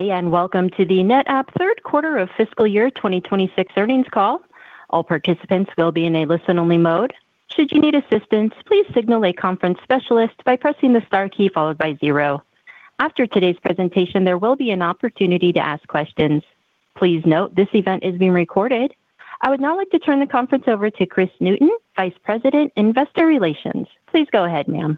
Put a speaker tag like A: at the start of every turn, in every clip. A: Hey, and welcome to the NetApp third quarter of fiscal year 2026 earnings call. All participants will be in a listen-only mode. Should you need assistance, please signal a conference specialist by pressing the star key followed by zero. After today's presentation, there will be an opportunity to ask questions. Please note, this event is being recorded. I would now like to turn the conference over to Kris Newton, Vice President, Investor Relations. Please go ahead, ma'am.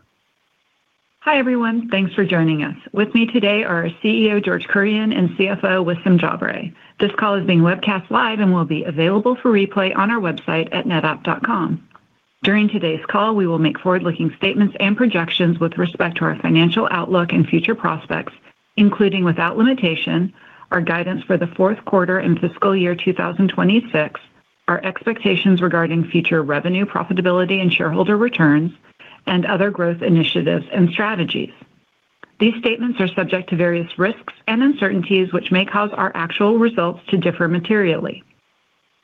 B: Hi, everyone. Thanks for joining us. With me today are our CEO, George Kurian, and CFO, Wissam Jabre. This call is being webcast live and will be available for replay on our website at netapp.com. During today's call, we will make forward-looking statements and projections with respect to our financial outlook and future prospects, including, without limitation, our guidance for the fourth quarter and fiscal year 2026, our expectations regarding future revenue, profitability, and shareholder returns, and other growth initiatives and strategies. These statements are subject to various risks and uncertainties, which may cause our actual results to differ materially.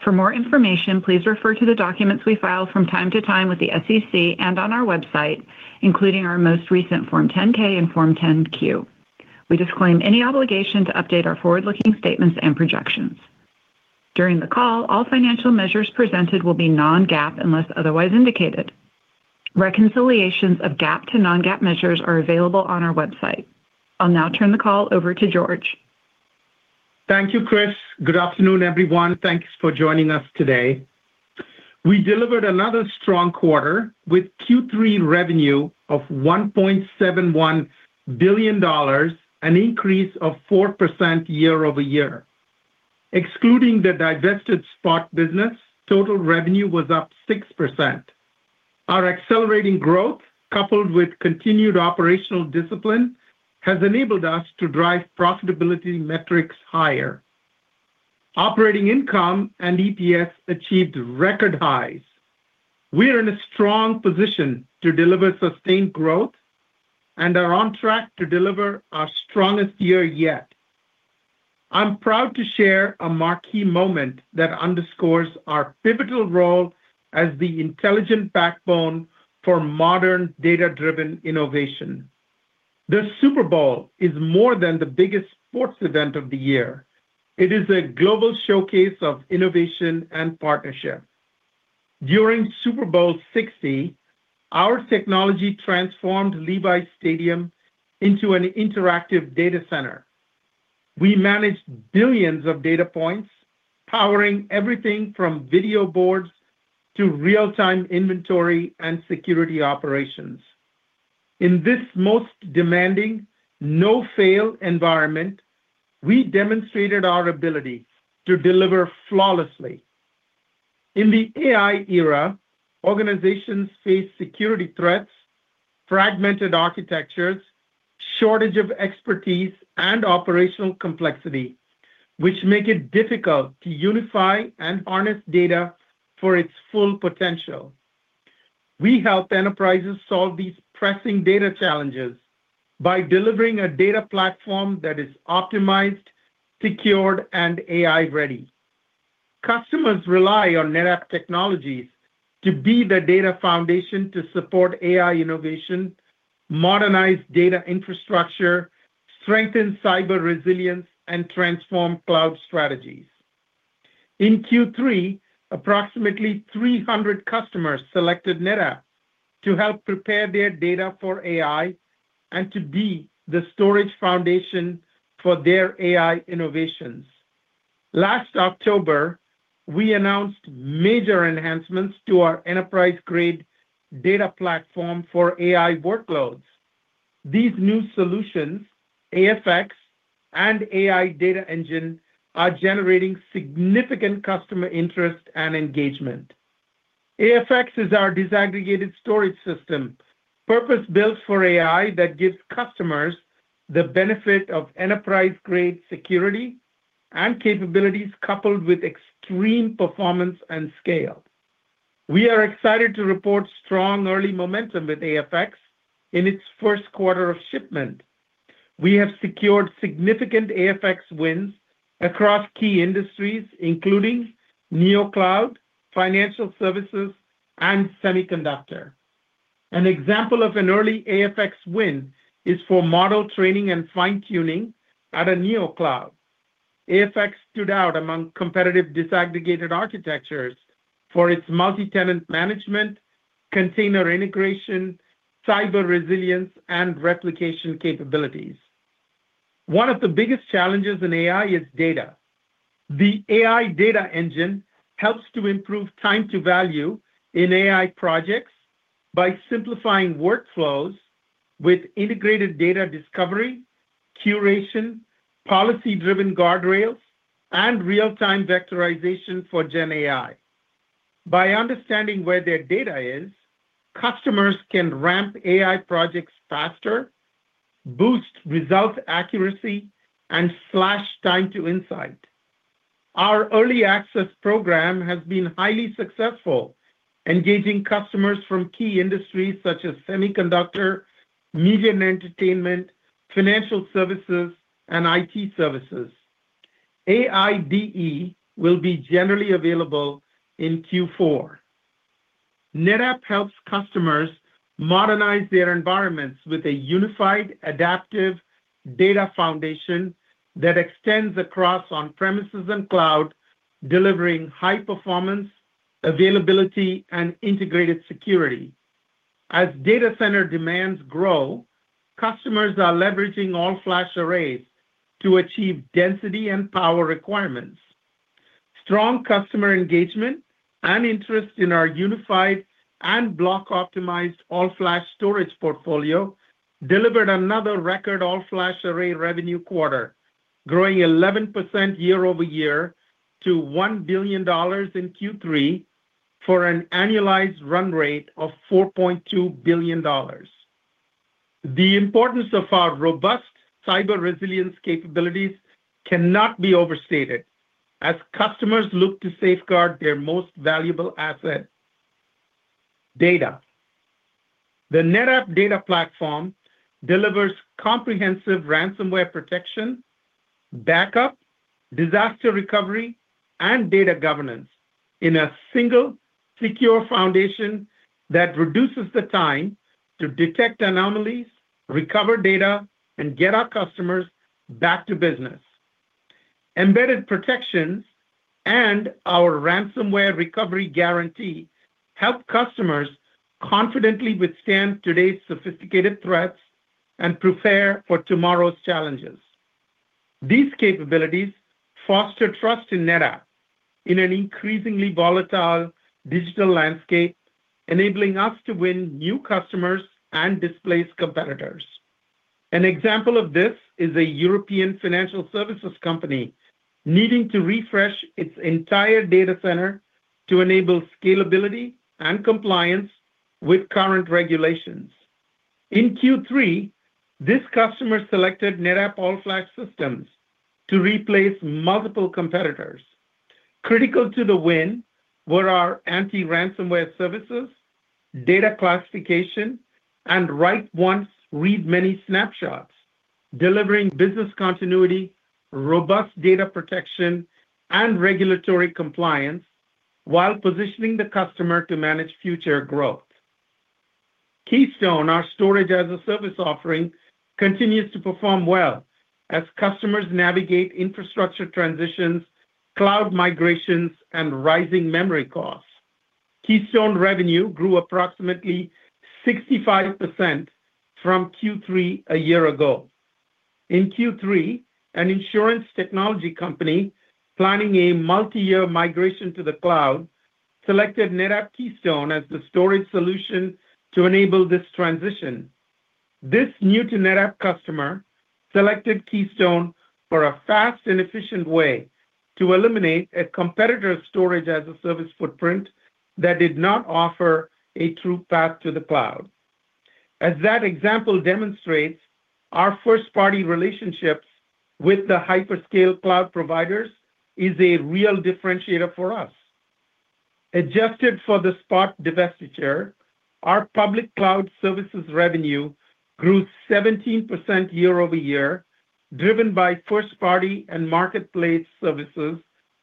B: For more information, please refer to the documents we file from time to time with the SEC and on our website, including our most recent Form 10-K and Form 10-Q. We disclaim any obligation to update our forward-looking statements and projections. During the call, all financial measures presented will be non-GAAP, unless otherwise indicated. Reconciliations of GAAP to non-GAAP measures are available on our website. I'll now turn the call over to George.
C: Thank you, Kris. Good afternoon, everyone. Thanks for joining us today. We delivered another strong quarter with Q3 revenue of $1.71 billion, an increase of 4% year-over-year. Excluding the divested Spot business, total revenue was up 6%. Our accelerating growth, coupled with continued operational discipline, has enabled us to drive profitability metrics higher. Operating income and EPS achieved record highs. We are in a strong position to deliver sustained growth and are on track to deliver our strongest year yet. I'm proud to share a marquee moment that underscores our pivotal role as the intelligent backbone for modern, data-driven innovation. The Super Bowl is more than the biggest sports event of the year. It is a global showcase of innovation and partnership. During Super Bowl LX, our technology transformed Levi's Stadium into an interactive data center. We managed billions of data points, powering everything from video boards to real-time inventory and security operations. In this most demanding, no-fail environment, we demonstrated our ability to deliver flawlessly. In the AI era, organizations face security threats, fragmented architectures, shortage of expertise, and operational complexity, which make it difficult to unify and harness data for its full potential. We help enterprises solve these pressing data challenges by delivering a data platform that is optimized, secured, and AI-ready. Customers rely on NetApp technologies to be the data foundation to support AI innovation, modernize data infrastructure, strengthen cyber resilience, and transform cloud strategies. In Q3, approximately 300 customers selected NetApp to help prepare their data for AI and to be the storage foundation for their AI innovations. Last October, we announced major enhancements to our enterprise-grade data platform for AI workloads. These new solutions, AFX and AI Data Engine, are generating significant customer interest and engagement. AFX is our disaggregated storage system, purpose-built for AI, that gives customers the benefit of enterprise-grade security and capabilities, coupled with extreme performance and scale. We are excited to report strong early momentum with AFX in its first quarter of shipment. We have secured significant AFX wins across key industries, including neocloud, financial services, and semiconductor. An example of an early AFX win is for model training and fine-tuning at a neocloud. AFX stood out among competitive disaggregated architectures for its multi-tenant management, container integration, cyber resilience, and replication capabilities. One of the biggest challenges in AI is data. The AI Data Engine helps to improve time to value in AI projects by simplifying workflows with integrated data discovery, curation, policy-driven guardrails, and real-time vectorization for Gen AI. By understanding where their data is, customers can ramp AI projects faster, boost result accuracy, and slash time to insight. Our early access program has been highly successful, engaging customers from key industries such as semiconductor, media and entertainment, financial services, and IT services. AIDE will be generally available in Q4. NetApp helps customers modernize their environments with a unified, adaptive data foundation that extends across on-premises and cloud, delivering high performance, availability, and integrated security. As data center demands grow, customers are leveraging All Flash Arrays to achieve density and power requirements. Strong customer engagement and interest in our unified and block-optimized All Flash storage portfolio delivered another record All Flash Array revenue quarter, growing 11% year-over-year to $1 billion in Q3, for an annualized run rate of $4.2 billion. The importance of our robust cyber resilience capabilities cannot be overstated, as customers look to safeguard their most valuable asset: data. The NetApp data platform delivers comprehensive ransomware protection, backup, disaster recovery, and data governance in a single secure foundation that reduces the time to detect anomalies, recover data, and get our customers back to business. Embedded protections and our Ransomware Recovery Guarantee help customers confidently withstand today's sophisticated threats and prepare for tomorrow's challenges. These capabilities foster trust in NetApp in an increasingly volatile digital landscape, enabling us to win new customers and displace competitors. An example of this is a European financial services company needing to refresh its entire data center to enable scalability and compliance with current regulations. In Q3, this customer selected NetApp All Flash Systems to replace multiple competitors. Critical to the win were our anti-ransomware services, data classification, and write once, read many snapshots, delivering business continuity, robust data protection, and regulatory compliance while positioning the customer to manage future growth. Keystone, our storage-as-a-service offering, continues to perform well as customers navigate infrastructure transitions, cloud migrations, and rising memory costs. Keystone revenue grew approximately 65% from Q3 a year ago. In Q3, an insurance technology company planning a multi-year migration to the cloud selected NetApp Keystone as the storage solution to enable this transition. This new to NetApp customer selected Keystone for a fast and efficient way to eliminate a competitor's storage-as-a-service footprint that did not offer a true path to the cloud. As that example demonstrates, our first-party relationships with the hyperscale cloud providers is a real differentiator for us. Adjusted for the Spot divestiture, our public cloud services revenue grew 17% year-over-year, driven by first-party and marketplace services,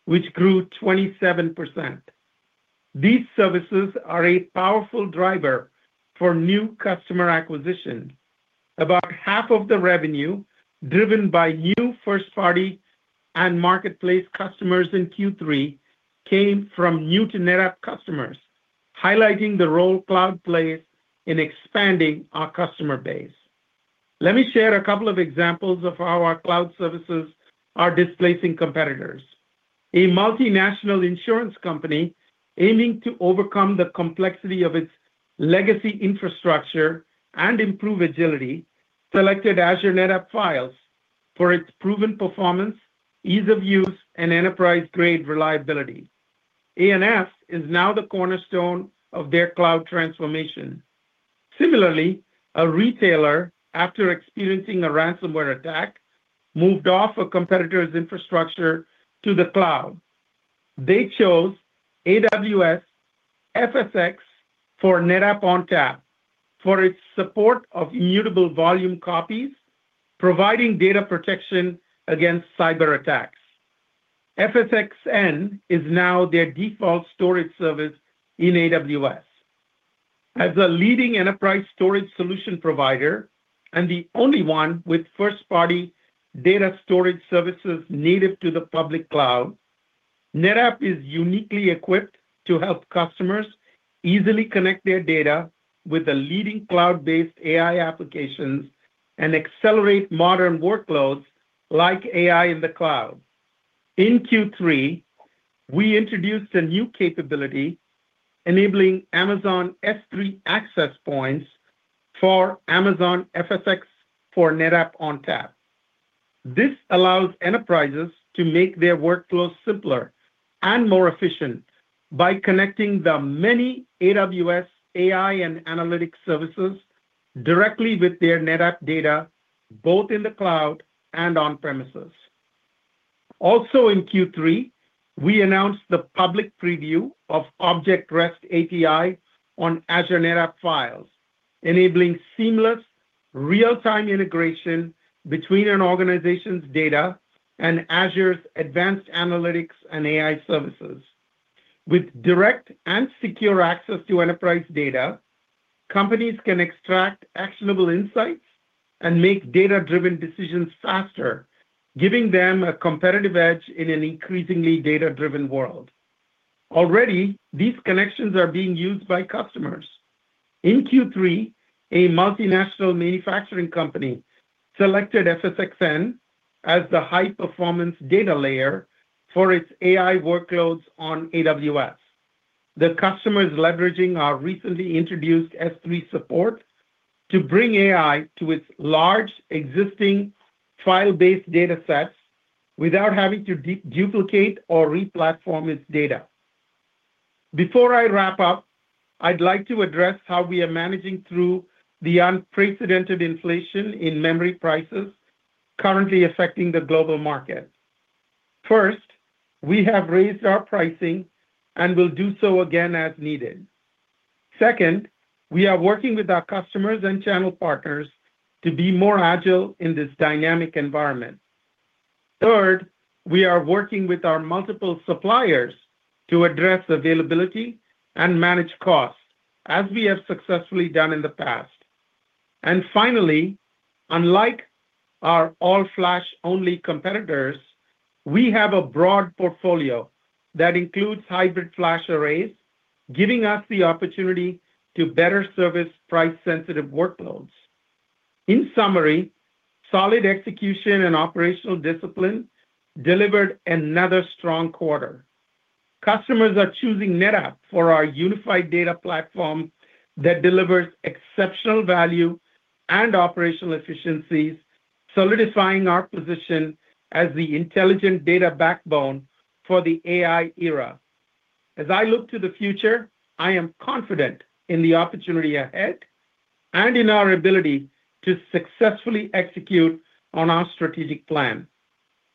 C: which grew 27%. These services are a powerful driver for new customer acquisition. About half of the revenue, driven by new first-party and marketplace customers in Q3, came from new to NetApp customers, highlighting the role cloud plays in expanding our customer base. Let me share a couple of examples of how our cloud services are displacing competitors. A multinational insurance company aiming to overcome the complexity of its legacy infrastructure and improve agility, selected Azure NetApp Files for its proven performance, ease of use, and enterprise-grade reliability. ANF is now the cornerstone of their cloud transformation. Similarly, a retailer, after experiencing a ransomware attack, moved off a competitor's infrastructure to the cloud. They chose AWS FSx for NetApp ONTAP for its support of immutable volume copies, providing data protection against cyberattacks. FSxN is now their default storage service in AWS. As a leading enterprise storage solution provider and the only one with first-party data storage services native to the public cloud, NetApp is uniquely equipped to help customers easily connect their data with the leading cloud-based AI applications and accelerate modern workloads like AI in the cloud. In Q3, we introduced a new capability enabling Amazon S3 access points for Amazon FSx for NetApp ONTAP. This allows enterprises to make their workflows simpler and more efficient by connecting the many AWS AI and analytics services directly with their NetApp data, both in the cloud and on-premises. Also in Q3, we announced the public preview of Object REST API on Azure NetApp Files.... enabling seamless real-time integration between an organization's data and Azure's advanced analytics and AI services. With direct and secure access to enterprise data, companies can extract actionable insights and make data-driven decisions faster, giving them a competitive edge in an increasingly data-driven world. Already, these connections are being used by customers. In Q3, a multinational manufacturing company selected FSxN as the high-performance data layer for its AI workloads on AWS. The customer is leveraging our recently introduced S3 support to bring AI to its large existing file-based datasets without having to de-duplicate or re-platform its data. Before I wrap up, I'd like to address how we are managing through the unprecedented inflation in memory prices currently affecting the global market. First, we have raised our pricing and will do so again as needed. Second, we are working with our customers and channel partners to be more agile in this dynamic environment. Third, we are working with our multiple suppliers to address availability and manage costs, as we have successfully done in the past. Finally, unlike our all-flash-only competitors, we have a broad portfolio that includes hybrid flash arrays, giving us the opportunity to better service price-sensitive workloads. In summary, solid execution and operational discipline delivered another strong quarter. Customers are choosing NetApp for our unified data platform that delivers exceptional value and operational efficiencies, solidifying our position as the intelligent data backbone for the AI era. As I look to the future, I am confident in the opportunity ahead and in our ability to successfully execute on our strategic plan.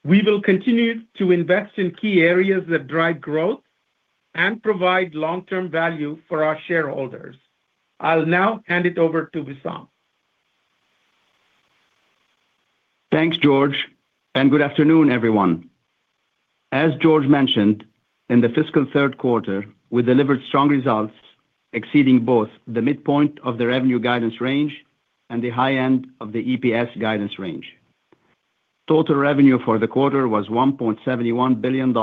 C: We will continue to invest in key areas that drive growth and provide long-term value for our shareholders. I'll now hand it over to Wissam.
D: Thanks, George. Good afternoon, everyone. As George mentioned, in the fiscal third quarter, we delivered strong results exceeding both the midpoint of the revenue guidance range and the high end of the EPS guidance range. Total revenue for the quarter was $1.71 billion,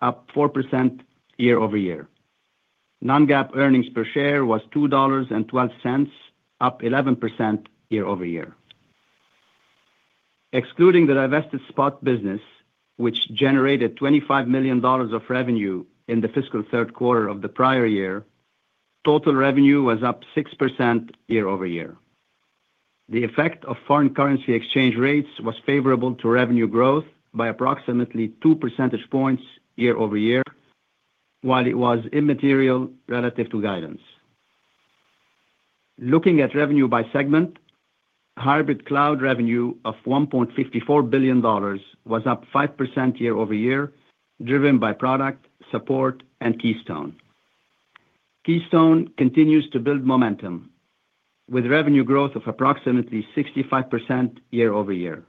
D: up 4% year-over-year. Non-GAAP earnings per share was $2.12, up 11% year-over-year. Excluding the divested Spot business, which generated $25 million of revenue in the fiscal third quarter of the prior year, total revenue was up 6% year-over-year. The effect of foreign currency exchange rates was favorable to revenue growth by approximately 2 percentage points year-over-year, while it was immaterial relative to guidance. Looking at revenue by segment, hybrid cloud revenue of $1.54 billion was up 5% year-over-year, driven by product, support, and Keystone. Keystone continues to build momentum, with revenue growth of approximately 65% year-over-year.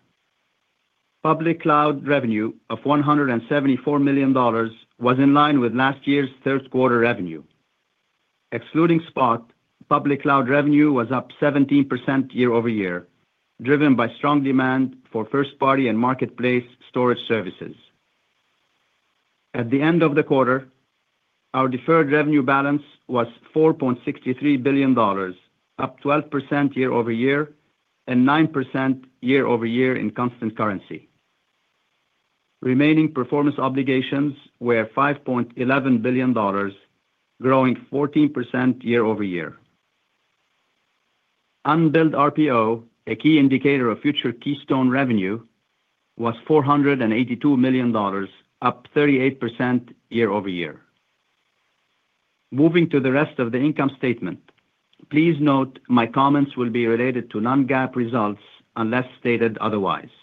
D: Public cloud revenue of $174 million was in line with last year's third quarter revenue. Excluding Spot, public cloud revenue was up 17% year-over-year, driven by strong demand for first-party and marketplace storage services. At the end of the quarter, our deferred revenue balance was $4.63 billion, up 12% year-over-year and 9% year-over-year in constant currency. Remaining performance obligations were $5.11 billion, growing 14% year-over-year. Unbilled RPO, a key indicator of future Keystone revenue, was $482 million, up 38% year-over-year. Moving to the rest of the income statement, please note my comments will be related to non-GAAP results, unless stated otherwise.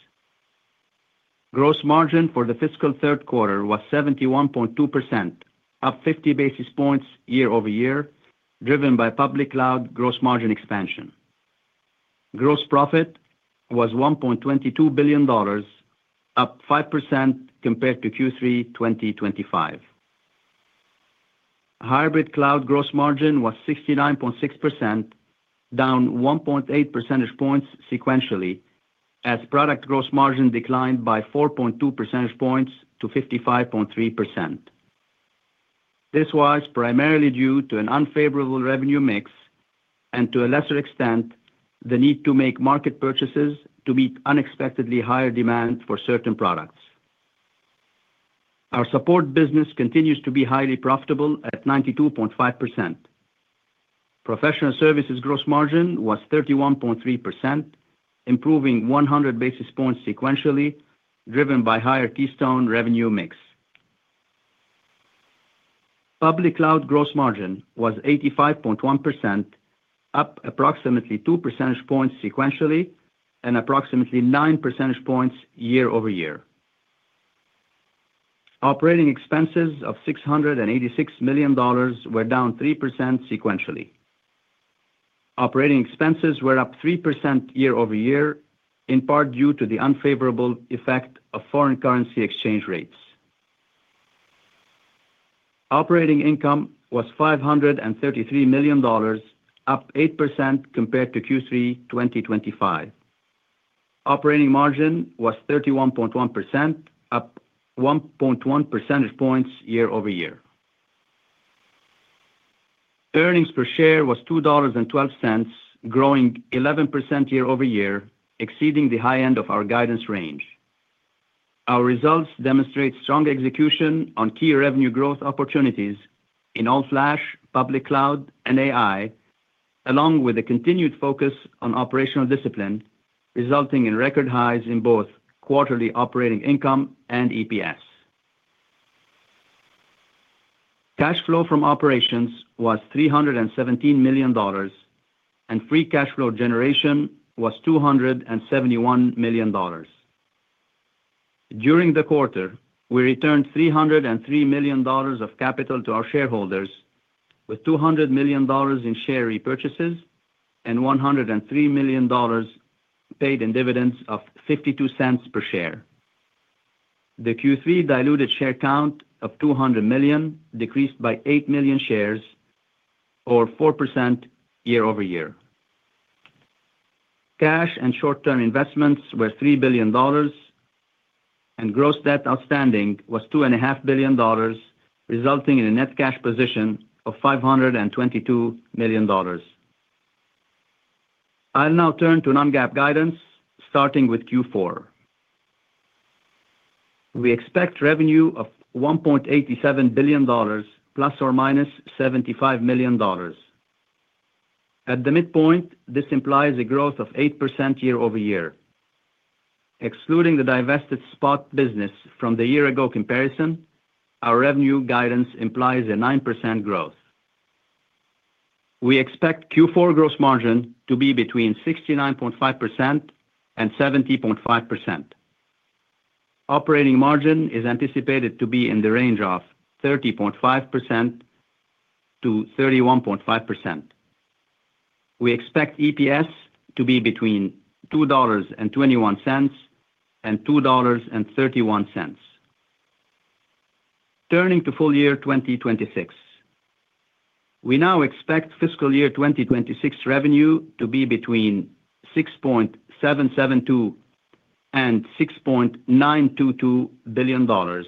D: Gross margin for the fiscal third quarter was 71.2%, up 50 basis points year-over-year, driven by public cloud gross margin expansion. Gross profit was $1.22 billion, up 5% compared to Q3 2025. Hybrid cloud gross margin was 69.6%, down 1.8 percentage points sequentially, as product gross margin declined by 4.2 percentage points to 55.3%. This was primarily due to an unfavorable revenue mix and, to a lesser extent, the need to make market purchases to meet unexpectedly higher demand for certain products. Our support business continues to be highly profitable at 92.5%. Professional services gross margin was 31.3%, improving 100 basis points sequentially, driven by higher Keystone revenue mix. Public cloud gross margin was 85.1%, up approximately 2 percentage points sequentially and approximately 9 percentage points year-over-year. Operating expenses of $686 million were down 3% sequentially. Operating expenses were up 3% year-over-year, in part due to the unfavorable effect of foreign currency exchange rates. Operating income was $533 million, up 8% compared to Q3 2025. Operating margin was 31.1%, up 1.1 percentage points year-over-year. Earnings per share was $2.12, growing 11% year-over-year, exceeding the high end of our guidance range. Our results demonstrate strong execution on key revenue growth opportunities in All-Flash, public cloud, and AI, along with a continued focus on operational discipline, resulting in record highs in both quarterly operating income and EPS. Cash flow from operations was $317 million, and free cash flow generation was $271 million. During the quarter, we returned $303 million of capital to our shareholders, with $200 million in share repurchases and $103 million paid in dividends of $0.52 per share. The Q3 diluted share count of $200 million decreased by 8 million shares or 4% year-over-year. Cash and short-term investments were $3 billion, and gross debt outstanding was $2.5 billion, resulting in a net cash position of $522 million. I'll now turn to non-GAAP guidance, starting with Q4. We expect revenue of $1.87 billion, ±$75 million. At the midpoint, this implies a growth of 8% year-over-year. Excluding the divested Spot business from the year-ago comparison, our revenue guidance implies a 9% growth. We expect Q4 gross margin to be between 69.5% and 70.5%. Operating margin is anticipated to be in the range of 30.5%-31.5%. We expect EPS to be between $2.21 and $2.31. Turning to full year 2026. We now expect fiscal year 2026 revenue to be between $6.772 billion and $6.922 billion,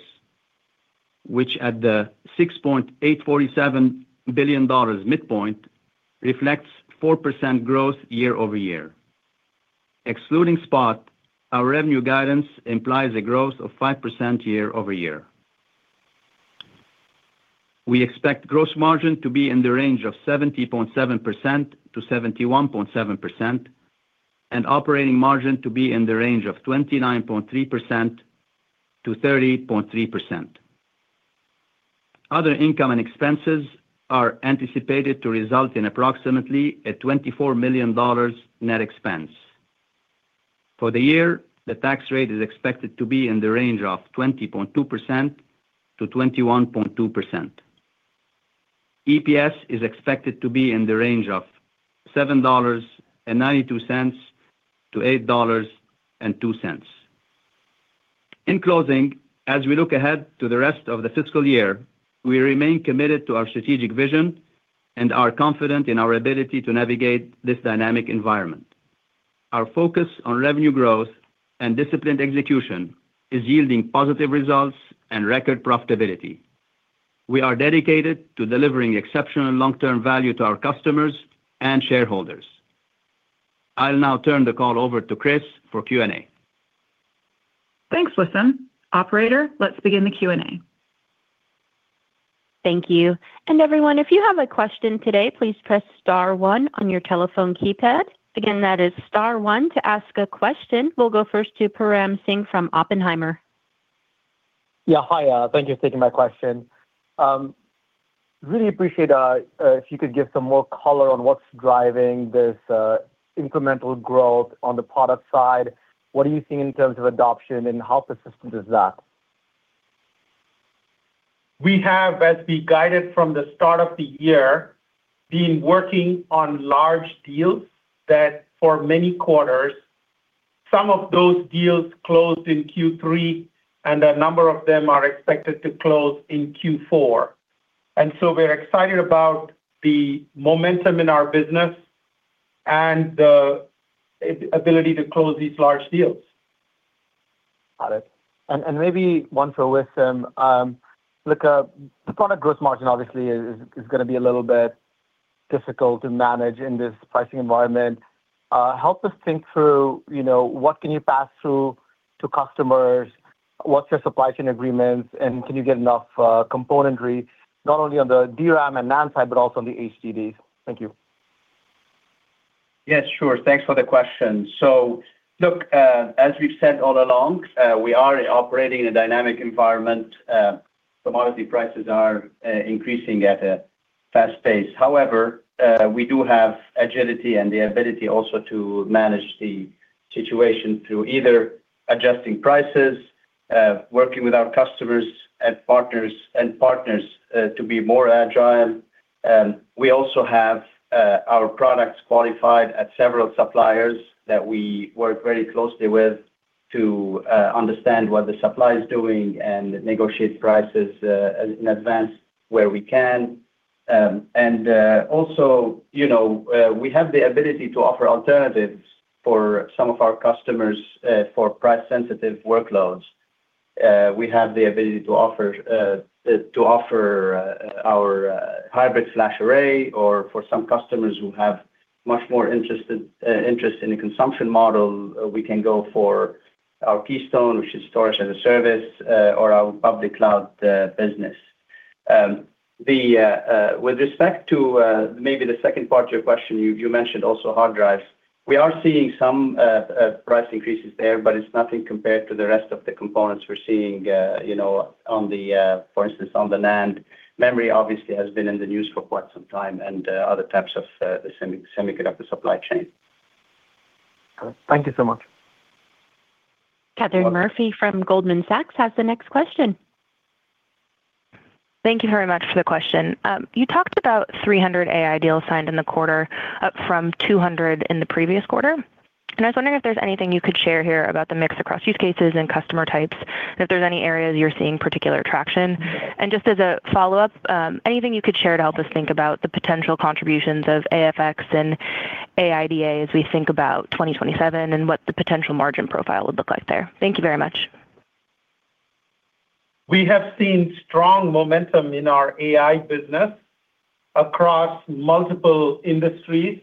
D: which at the $6.847 billion midpoint, reflects 4% growth year-over-year. Excluding Spot, our revenue guidance implies a growth of 5% year-over-year. We expect gross margin to be in the range of 70.7%-71.7% and operating margin to be in the range of 29.3%-30.3%. Other income and expenses are anticipated to result in approximately a $24 million net expense. For the year, the tax rate is expected to be in the range of 20.2%-21.2%. EPS is expected to be in the range of $7.92-$8.02. In closing, as we look ahead to the rest of the fiscal year, we remain committed to our strategic vision and are confident in our ability to navigate this dynamic environment. Our focus on revenue growth and disciplined execution is yielding positive results and record profitability. We are dedicated to delivering exceptional long-term value to our customers and shareholders. I'll now turn the call over to Kris for Q&A.
B: Thanks, Wissam. Operator, let's begin the Q&A.
A: Thank you. Everyone, if you have a question today, please press star one on your telephone keypad. Again, that is star one to ask a question. We'll go first to Param Singh from Oppenheimer.
E: Yeah, hi. Thank you for taking my question. Really appreciate if you could give some more color on what's driving this incremental growth on the product side. What are you seeing in terms of adoption, and how persistent is that?
C: We have, as we guided from the start of the year, been working on large deals that for many quarters, some of those deals closed in Q3, and a number of them are expected to close in Q4. We're excited about the momentum in our business and the ability to close these large deals.
E: Got it. Maybe one for Wissam, look, the product growth margin obviously is gonna be a little bit difficult to manage in this pricing environment. Help us think through, you know, what can you pass through to customers? What's your supply chain agreements, and can you get enough componentry, not only on the DRAM and NAND side, but also on the HDDs? Thank you.
D: Yes, sure. Thanks for the question. Look, as we've said all along, we are operating in a dynamic environment.... commodity prices are increasing at a fast pace. However, we do have agility and the ability also to manage the situation through either adjusting prices, working with our customers and partners, to be more agile. We also have our products qualified at several suppliers that we work very closely with to understand what the supply is doing and negotiate prices in advance where we can. Also, you know, we have the ability to offer alternatives for some of our customers, for price-sensitive workloads. We have the ability to offer our hybrid flash array, or for some customers who have much more interested, interest in the consumption model, we can go for our Keystone, which is storage-as-a-service, or our public cloud business. to, maybe the second part of your question, you mentioned also hard drives. We are seeing some price increases there, but it's nothing compared to the rest of the components we're seeing, you know, on the, for instance, on the NAND. Memory, obviously, has been in the news for quite some time and other types of semiconductor supply chain
E: Thank you so much.
A: Katherine Murphy from Goldman Sachs has the next question.
F: Thank you very much for the question. You talked about 300 AI deal signed in the quarter, up from 200 in the previous quarter, and I was wondering if there's anything you could share here about the mix across use cases and customer types, and if there's any areas you're seeing particular traction? Just as a follow-up, anything you could share to help us think about the potential contributions of AFX and AIDE as we think about 2027 and what the potential margin profile would look like there. Thank you very much.
C: We have seen strong momentum in our AI business across multiple industries,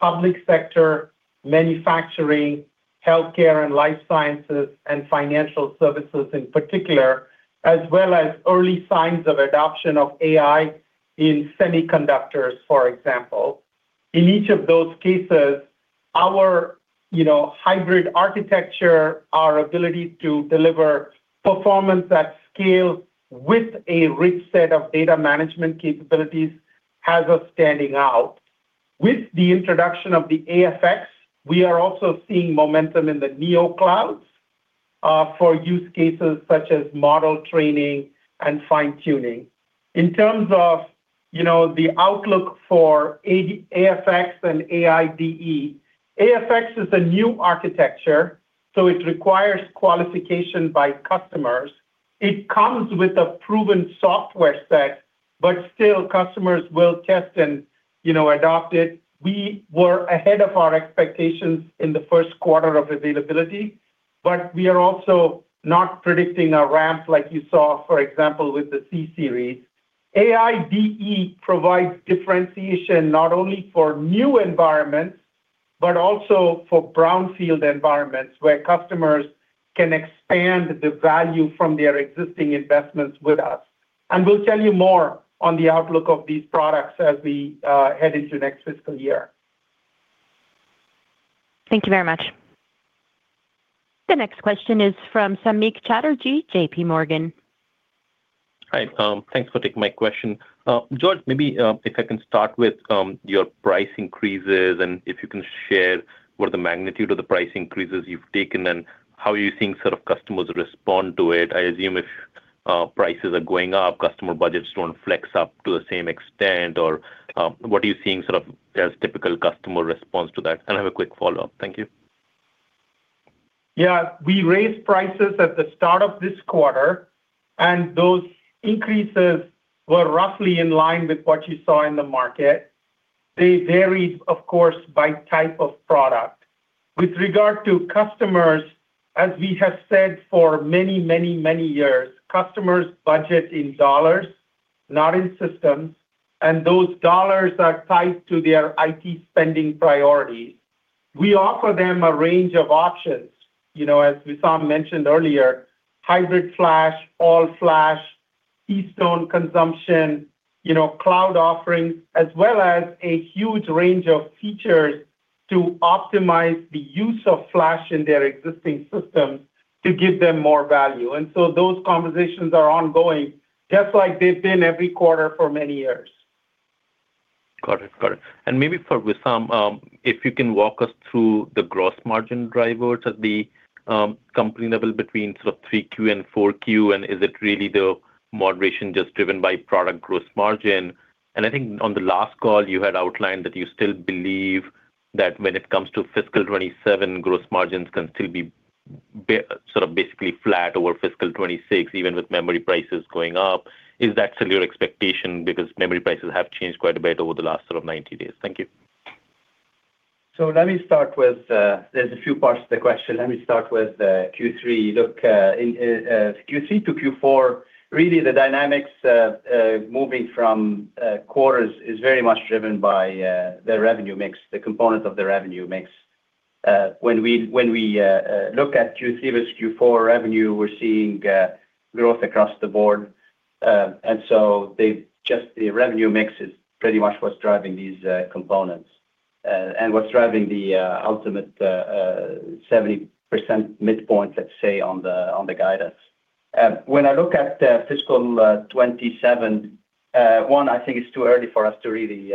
C: public sector, manufacturing, healthcare and life sciences, and financial services in particular, as well as early signs of adoption of AI in semiconductors, for example. In each of those cases, our, you know, hybrid architecture, our ability to deliver performance at scale with a rich set of data management capabilities, has us standing out. With the introduction of the AFX, we are also seeing momentum in the neoclouds for use cases such as model training and fine-tuning. In terms of, you know, the outlook for AFX and AIDE, AFX is a new architecture, so it requires qualification by customers. It comes with a proven software set, still customers will test and, you know, adopt it. We were ahead of our expectations in the first quarter of availability. We are also not predicting a ramp like you saw, for example, with the C-Series. AIDE provides differentiation not only for new environments, but also for brownfield environments, where customers can expand the value from their existing investments with us. We'll tell you more on the outlook of these products as we head into next fiscal year.
F: Thank you very much.
A: The next question is from Samik Chatterjee, JPMorgan.
G: Hi, thanks for taking my question. George, maybe, if I can start with your price increases, and if you can share what are the magnitude of the price increases you've taken, and how are you seeing sort of customers respond to it? I assume if prices are going up, customer budgets don't flex up to the same extent, or, what are you seeing sort of as typical customer response to that? I have a quick follow-up. Thank you.
C: Yeah, we raised prices at the start of this quarter. Those increases were roughly in line with what you saw in the market. They varied, of course, by type of product. With regard to customers, as we have said for many, many, many years, customers budget in dollars, not in systems, and those dollars are tied to their IT spending priorities. We offer them a range of options, you know, as Wissam mentioned earlier, hybrid flash, all flash, Keystone consumption, you know, cloud offerings, as well as a huge range of features to optimize the use of flash in their existing systems to give them more value. Those conversations are ongoing, just like they've been every quarter for many years.
G: Got it. Got it. Maybe for Wissam, if you can walk us through the gross margin drivers at the company level between sort of 3Q and 4Q, Is it really the moderation just driven by product gross margin? I think on the last call, you had outlined that you still believe that when it comes to fiscal 2027, gross margins can still be basically flat over fiscal 2026, even with memory prices going up. Is that still your expectation? Memory prices have changed quite a bit over the last sort of 90 days. Thank you.
D: Let me start with, there's a few parts to the question. Let me start with Q3. In Q3 to Q4, really, the dynamics moving from quarters is very much driven by the revenue mix, the component of the revenue mix. When we look at Q3 versus Q4 revenue, we're seeing growth across the board. The just the revenue mix is pretty much what's driving these components and what's driving the ultimate 70% midpoint, let's say, on the guidance. When I look at the fiscal 2027 one, I think it's too early for us to really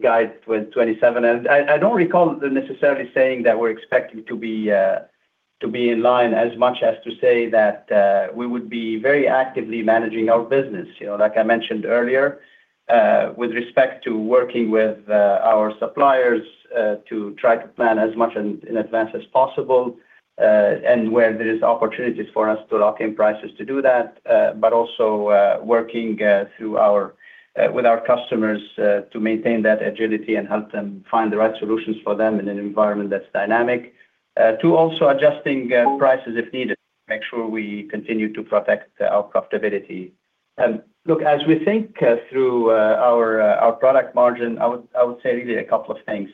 D: guide with 2027. I don't recall necessarily saying that we're expecting to be in line as much as to say that we would be very actively managing our business. You know, like I mentioned earlier, with respect to working with our suppliers, to try to plan as much in advance as possible, and where there is opportunities for us to lock in prices to do that, but also working through our with our customers, to maintain that agility and help them find the right solutions for them in an environment that's dynamic. Two, also adjusting prices if needed, make sure we continue to protect our profitability. Look, as we think through our our product margin, I would say really a couple of things.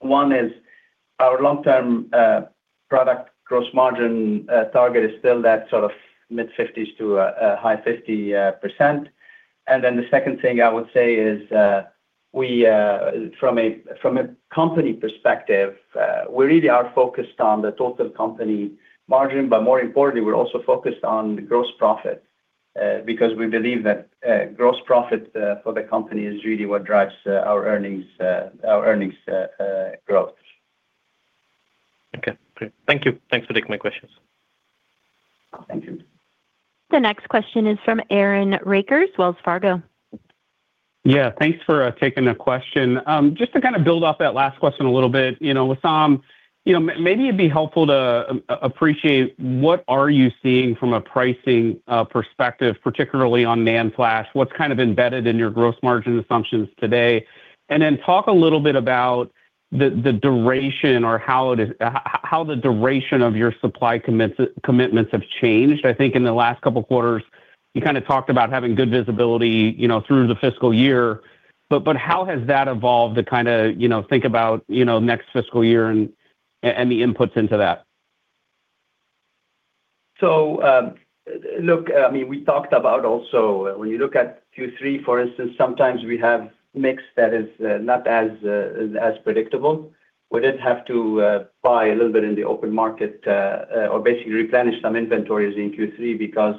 D: One is our long-term product gross margin target is still that sort of mid-50s% to a high 50%. The second thing I would say is, we, from a company perspective, really are focused on the total company margin, but more importantly, we're also focused on the gross profit, because we believe that gross profit for the company is really what drives our earnings growth.
G: Okay, great. Thank you. Thanks for taking my questions.
D: Thank you.
A: The next question is from Aaron Rakers, Wells Fargo.
H: Yeah, thanks for taking the question. Just to kind of build off that last question a little bit, you know, Wissam, you know, maybe it'd be helpful to appreciate what are you seeing from a pricing perspective, particularly on NAND flash? What's kind of embedded in your gross margin assumptions today? Then talk a little bit about the duration or how the duration of your supply commitments have changed. I think in the last couple of quarters, you kind of talked about having good visibility, you know, through the fiscal year. But how has that evolved to kind of, you know, think about, you know, next fiscal year and the inputs into that?
D: Look, I mean, we talked about also, when you look at Q3, for instance, sometimes we have mix that is not as predictable. We did have to buy a little bit in the open market, or basically replenish some inventories in Q3 because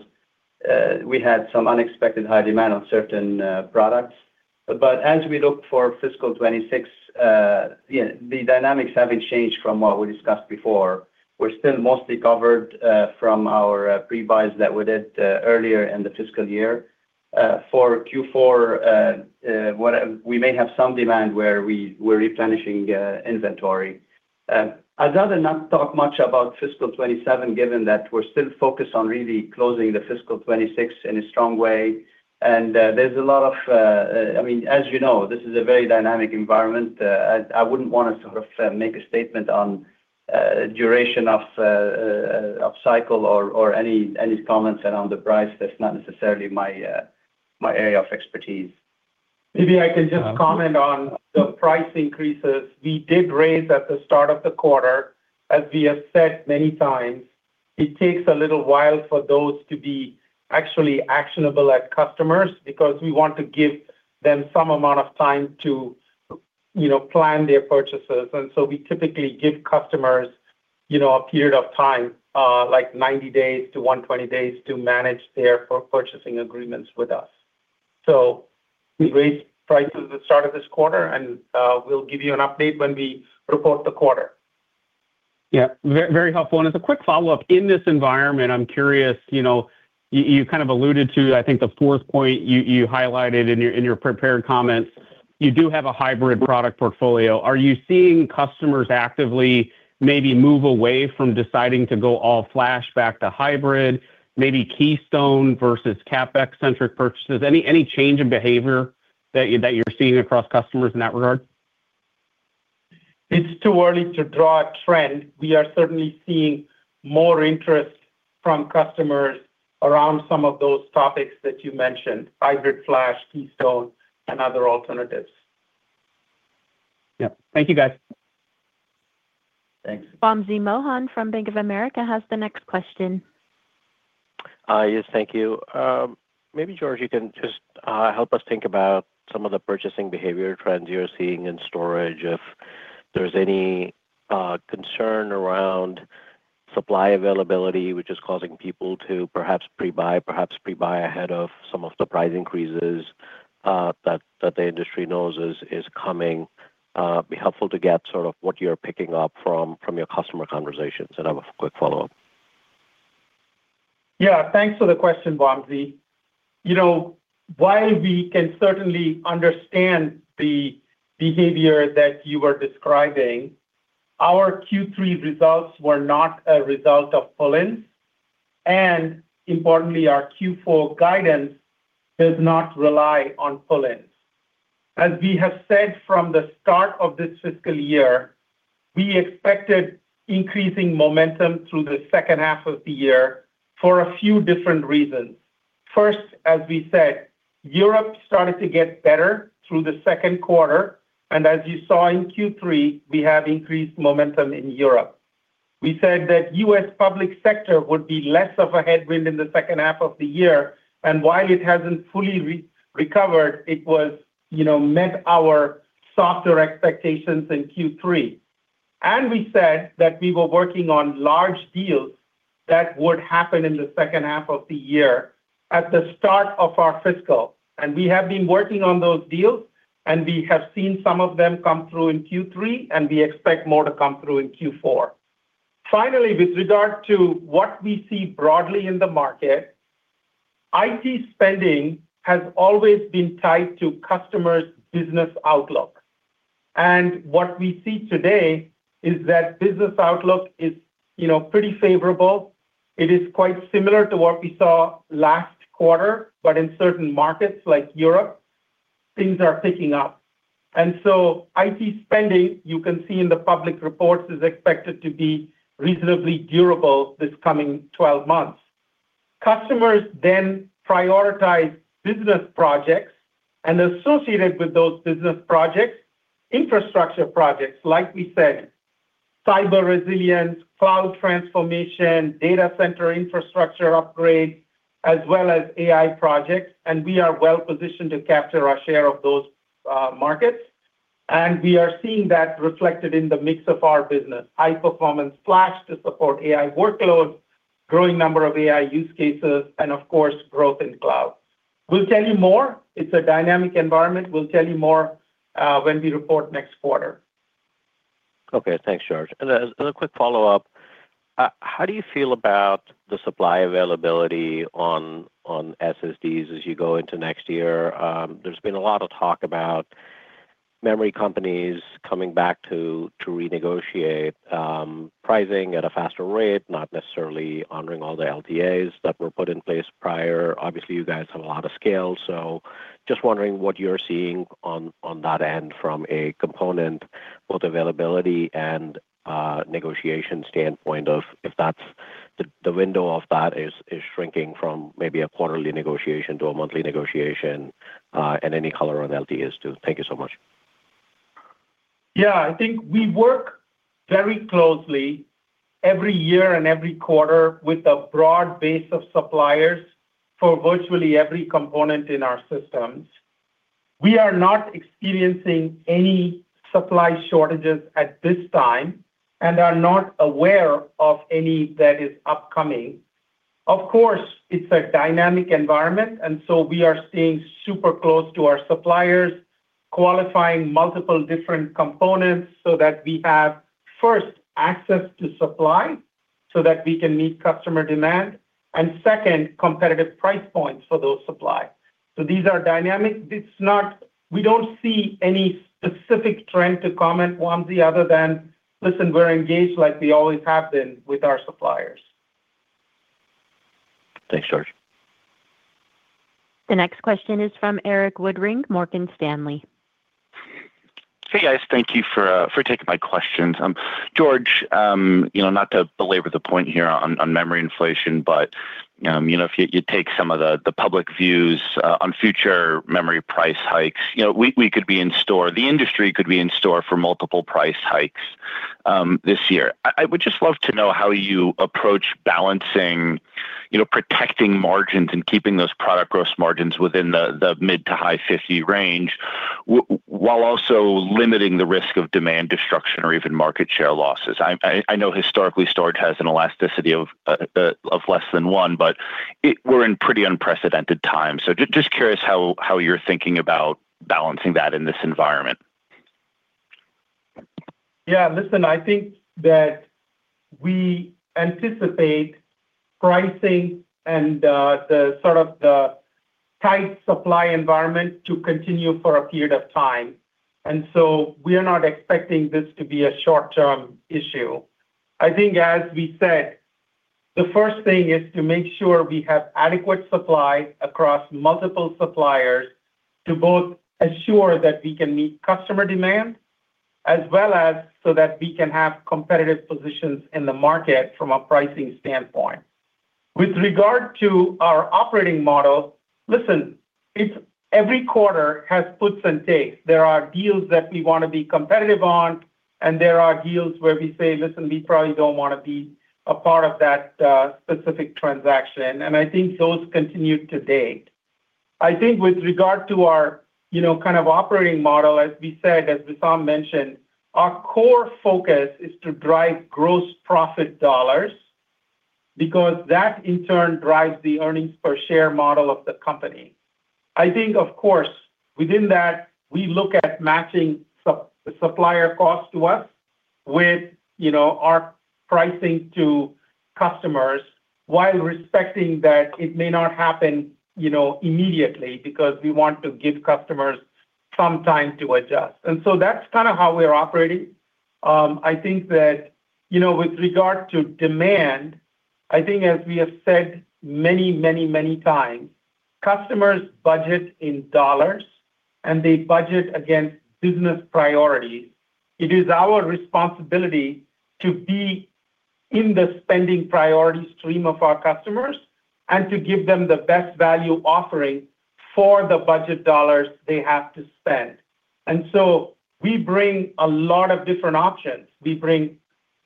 D: we had some unexpected high demand on certain products. As we look for fiscal 2026, yeah, the dynamics haven't changed from what we discussed before. We're still mostly covered from our pre-buys that we did earlier in the fiscal year. For Q4, we may have some demand where we're replenishing inventory. I'd rather not talk much about fiscal 2027, given that we're still focused on really closing the fiscal 2026 in a strong way. There's a lot of... I mean, as you know, this is a very dynamic environment. I wouldn't want to sort of, make a statement on, duration of cycle or any comments around the price. That's not necessarily my area of expertise.
C: Maybe I can just comment on the price increases. We did raise at the start of the quarter. As we have said many times, it takes a little while for those to be actually actionable at customers because we want to give them some amount of time to plan their purchases. We typically give customers a period of time, like 90 days to 120 days to manage their purchasing agreements with us. We raised prices at the start of this quarter, and we'll give you an update when we report the quarter.
H: Yeah, very, very helpful. As a quick follow-up, in this environment, I'm curious, you know, you kind of alluded to, I think the fourth point you highlighted in your prepared comments, you do have a hybrid product portfolio. Are you seeing customers actively maybe move away from deciding to go all-flash back to hybrid, maybe Keystone versus CapEx-centric purchases? Any change in behavior that you're seeing across customers in that regard?
C: It's too early to draw a trend. We are certainly seeing more interest from customers around some of those topics that you mentioned, hybrid flash, Keystone, and other alternatives.
H: Yeah. Thank you, guys.
C: Thanks.
A: Wamsi Mohan from Bank of America has the next question.
I: Yes, thank you. Maybe, George, you can just help us think about some of the purchasing behavior trends you're seeing in storage, if there's any concern around supply availability, which is causing people to perhaps pre-buy ahead of some of the price increases that the industry knows is coming. It'd be helpful to get sort of what you're picking up from your customer conversations. I have a quick follow-up.
C: Yeah. Thanks for the question, Wamsi. You know, while we can certainly understand the behavior that you are describing, our Q3 results were not a result of pull-ins, and importantly, our Q4 guidance does not rely on pull-ins. As we have said from the start of this fiscal year, we expected increasing momentum through the second half of the year for a few different reasons. First, as we said, Europe started to get better through the second quarter, and as you saw in Q3, we have increased momentum in Europe. We said that U.S. public sector would be less of a headwind in the second half of the year, and while it hasn't fully re-recovered, it was, you know, met our softer expectations in Q3. We said that we were working on large deals that would happen in the second half of the year at the start of our fiscal. We have been working on those deals, and we have seen some of them come through in Q3, and we expect more to come through in Q4. Finally, with regard to what we see broadly in the market, IT spending has always been tied to customers' business outlook. What we see today is that business outlook is, you know, pretty favorable. It is quite similar to what we saw last quarter, but in certain markets like Europe, things are picking up. So IT spending, you can see in the public reports, is expected to be reasonably durable this coming 12 months. Customers prioritize business projects, and associated with those business projects, infrastructure projects, like we said, cyber resilience, cloud transformation, data center infrastructure upgrades, as well as AI projects, and we are well-positioned to capture our share of those markets. We are seeing that reflected in the mix of our business, high performance flash to support AI workloads, growing number of AI use cases, and of course, growth in cloud. We'll tell you more. It's a dynamic environment. We'll tell you more when we report next quarter.
I: Okay, thanks, George. As a quick follow-up, how do you feel about the supply availability on SSDs as you go into next year? There's been a lot of talk about memory companies coming back to renegotiate pricing at a faster rate, not necessarily honoring all the LTAs that were put in place prior. Obviously, you guys have a lot of scale, so just wondering what you're seeing on that end from a component, both availability and negotiation standpoint of if that's the window of that is shrinking from maybe a quarterly negotiation to a monthly negotiation, and any color on LTAs, too. Thank you so much.
C: Yeah, I think we work very closely every year and every quarter with a broad base of suppliers for virtually every component in our systems. We are not experiencing any supply shortages at this time and are not aware of any that is upcoming. Of course, it's a dynamic environment. We are staying super close to our suppliers, qualifying multiple different components so that we have, first, access to supply so that we can meet customer demand, and second, competitive price points for those supply. These are dynamic. We don't see any specific trend to comment one way or the other than, listen, we're engaged like we always have been with our suppliers.
I: Thanks, George.
A: The next question is from Erik Woodring, Morgan Stanley.
J: Hey, guys, thank you for taking my questions. George, you know, not to belabor the point here on memory inflation, but, you know, if you take some of the public views on future memory price hikes, we could be in store, the industry could be in store for multiple price hikes this year. I would just love to know how you approach balancing, you know, protecting margins and keeping those product gross margins within the mid to high 50% range, while also limiting the risk of demand destruction or even market share losses. I know historically, storage has an elasticity of less than one, but we're in pretty unprecedented times. Just curious how you're thinking about balancing that in this environment.
C: Yeah, listen, I think that we anticipate pricing and the sort of the tight supply environment to continue for a period of time, and so we are not expecting this to be a short-term issue. I think, as we said, the first thing is to make sure we have adequate supply across multiple suppliers to both assure that we can meet customer demand, as well as so that we can have competitive positions in the market from a pricing standpoint. With regard to our operating model, listen, it's every quarter has puts and takes. There are deals that we want to be competitive on, and there are deals where we say, "Listen, we probably don't want to be a part of that specific transaction." I think those continue to date. I think with regard to our, you know, kind of operating model, as we said, as Wissam mentioned, our core focus is to drive gross profit dollars because that, in turn, drives the earnings per share model of the company. I think, of course, within that, we look at matching supplier costs to us with, you know, our pricing to customers while respecting that it may not happen, you know, immediately because we want to give customers some time to adjust. That's kinda how we are operating. I think that, you know, with regard to demand, I think as we have said many times, customers budget in dollars, and they budget against business priorities. It is our responsibility to be in the spending priority stream of our customers and to give them the best value offering for the budget dollars they have to spend. We bring a lot of different options. We bring,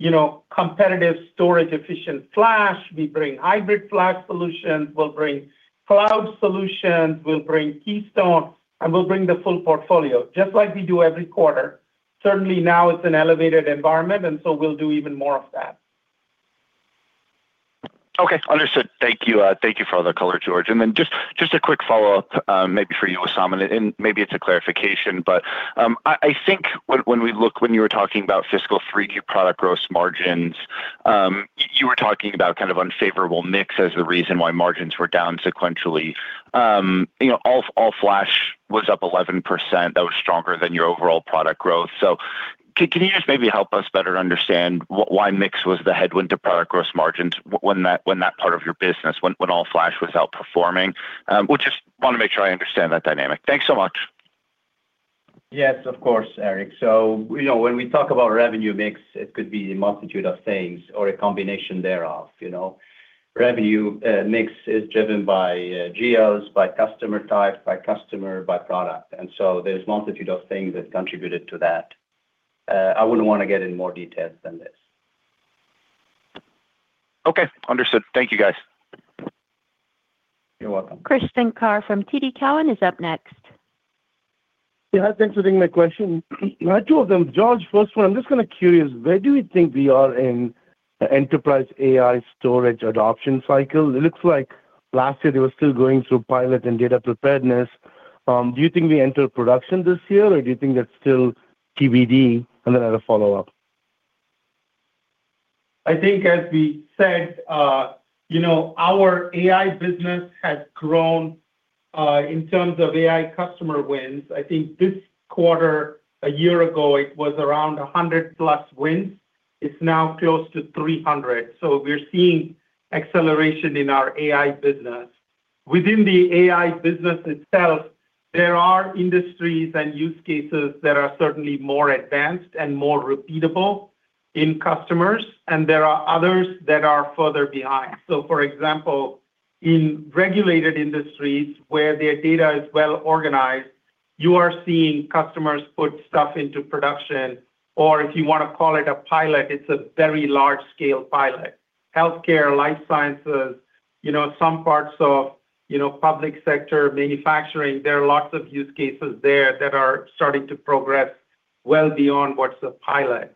C: you know, competitive storage, efficient flash, we bring hybrid flash solutions, we'll bring cloud solutions, we'll bring Keystone, and we'll bring the full portfolio, just like we do every quarter. Certainly, now it's an elevated environment, and so we'll do even more of that.
J: Okay, understood. Thank you. Thank you for all the color, George. just a quick follow-up, maybe for you, Wissam, and maybe it's a clarification, but I think when you were talking about fiscal 3Q product gross margins, you were talking about kind of unfavorable mix as the reason why margins were down sequentially. you know, all-flash was up 11%. That was stronger than your overall product growth. can you just maybe help us better understand why mix was the headwind to product gross margins when that part of your business, when all-flash was outperforming? We just want to make sure I understand that dynamic. Thanks so much.
D: Yes, of course, Erik. You know, when we talk about revenue mix, it could be a multitude of things or a combination thereof, you know. Revenue mix is driven by geos, by customer type, by customer, by product. There's multitude of things that contributed to that. I wouldn't want to get in more details than this.
J: Okay, understood. Thank you, guys.
D: You're welcome.
A: Krish Sankar from TD Cowen is up next.
K: Yeah, thanks for taking my question. I have two of them. George, first one, I'm just kind of curious, where do you think we are in the enterprise AI storage adoption cycle? It looks like last year they were still going through pilot and data preparedness. Do you think we enter production this year, or do you think that's still TBD? Then I have a follow-up.
C: I think, as we said, you know, our AI business has grown in terms of AI customer wins. I think this quarter, a year ago, it was around 100+ wins. It's now close to 300, so we're seeing acceleration in our AI business. Within the AI business itself, there are industries and use cases that are certainly more advanced and more repeatable in customers, and there are others that are further behind. For example, in regulated industries where their data is well organized, you are seeing customers put stuff into production, or if you want to call it a pilot, it's a very large-scale pilot. Healthcare, life sciences, you know, some parts of, you know, public sector, manufacturing, there are lots of use cases there that are starting to progress well beyond what's the pilot.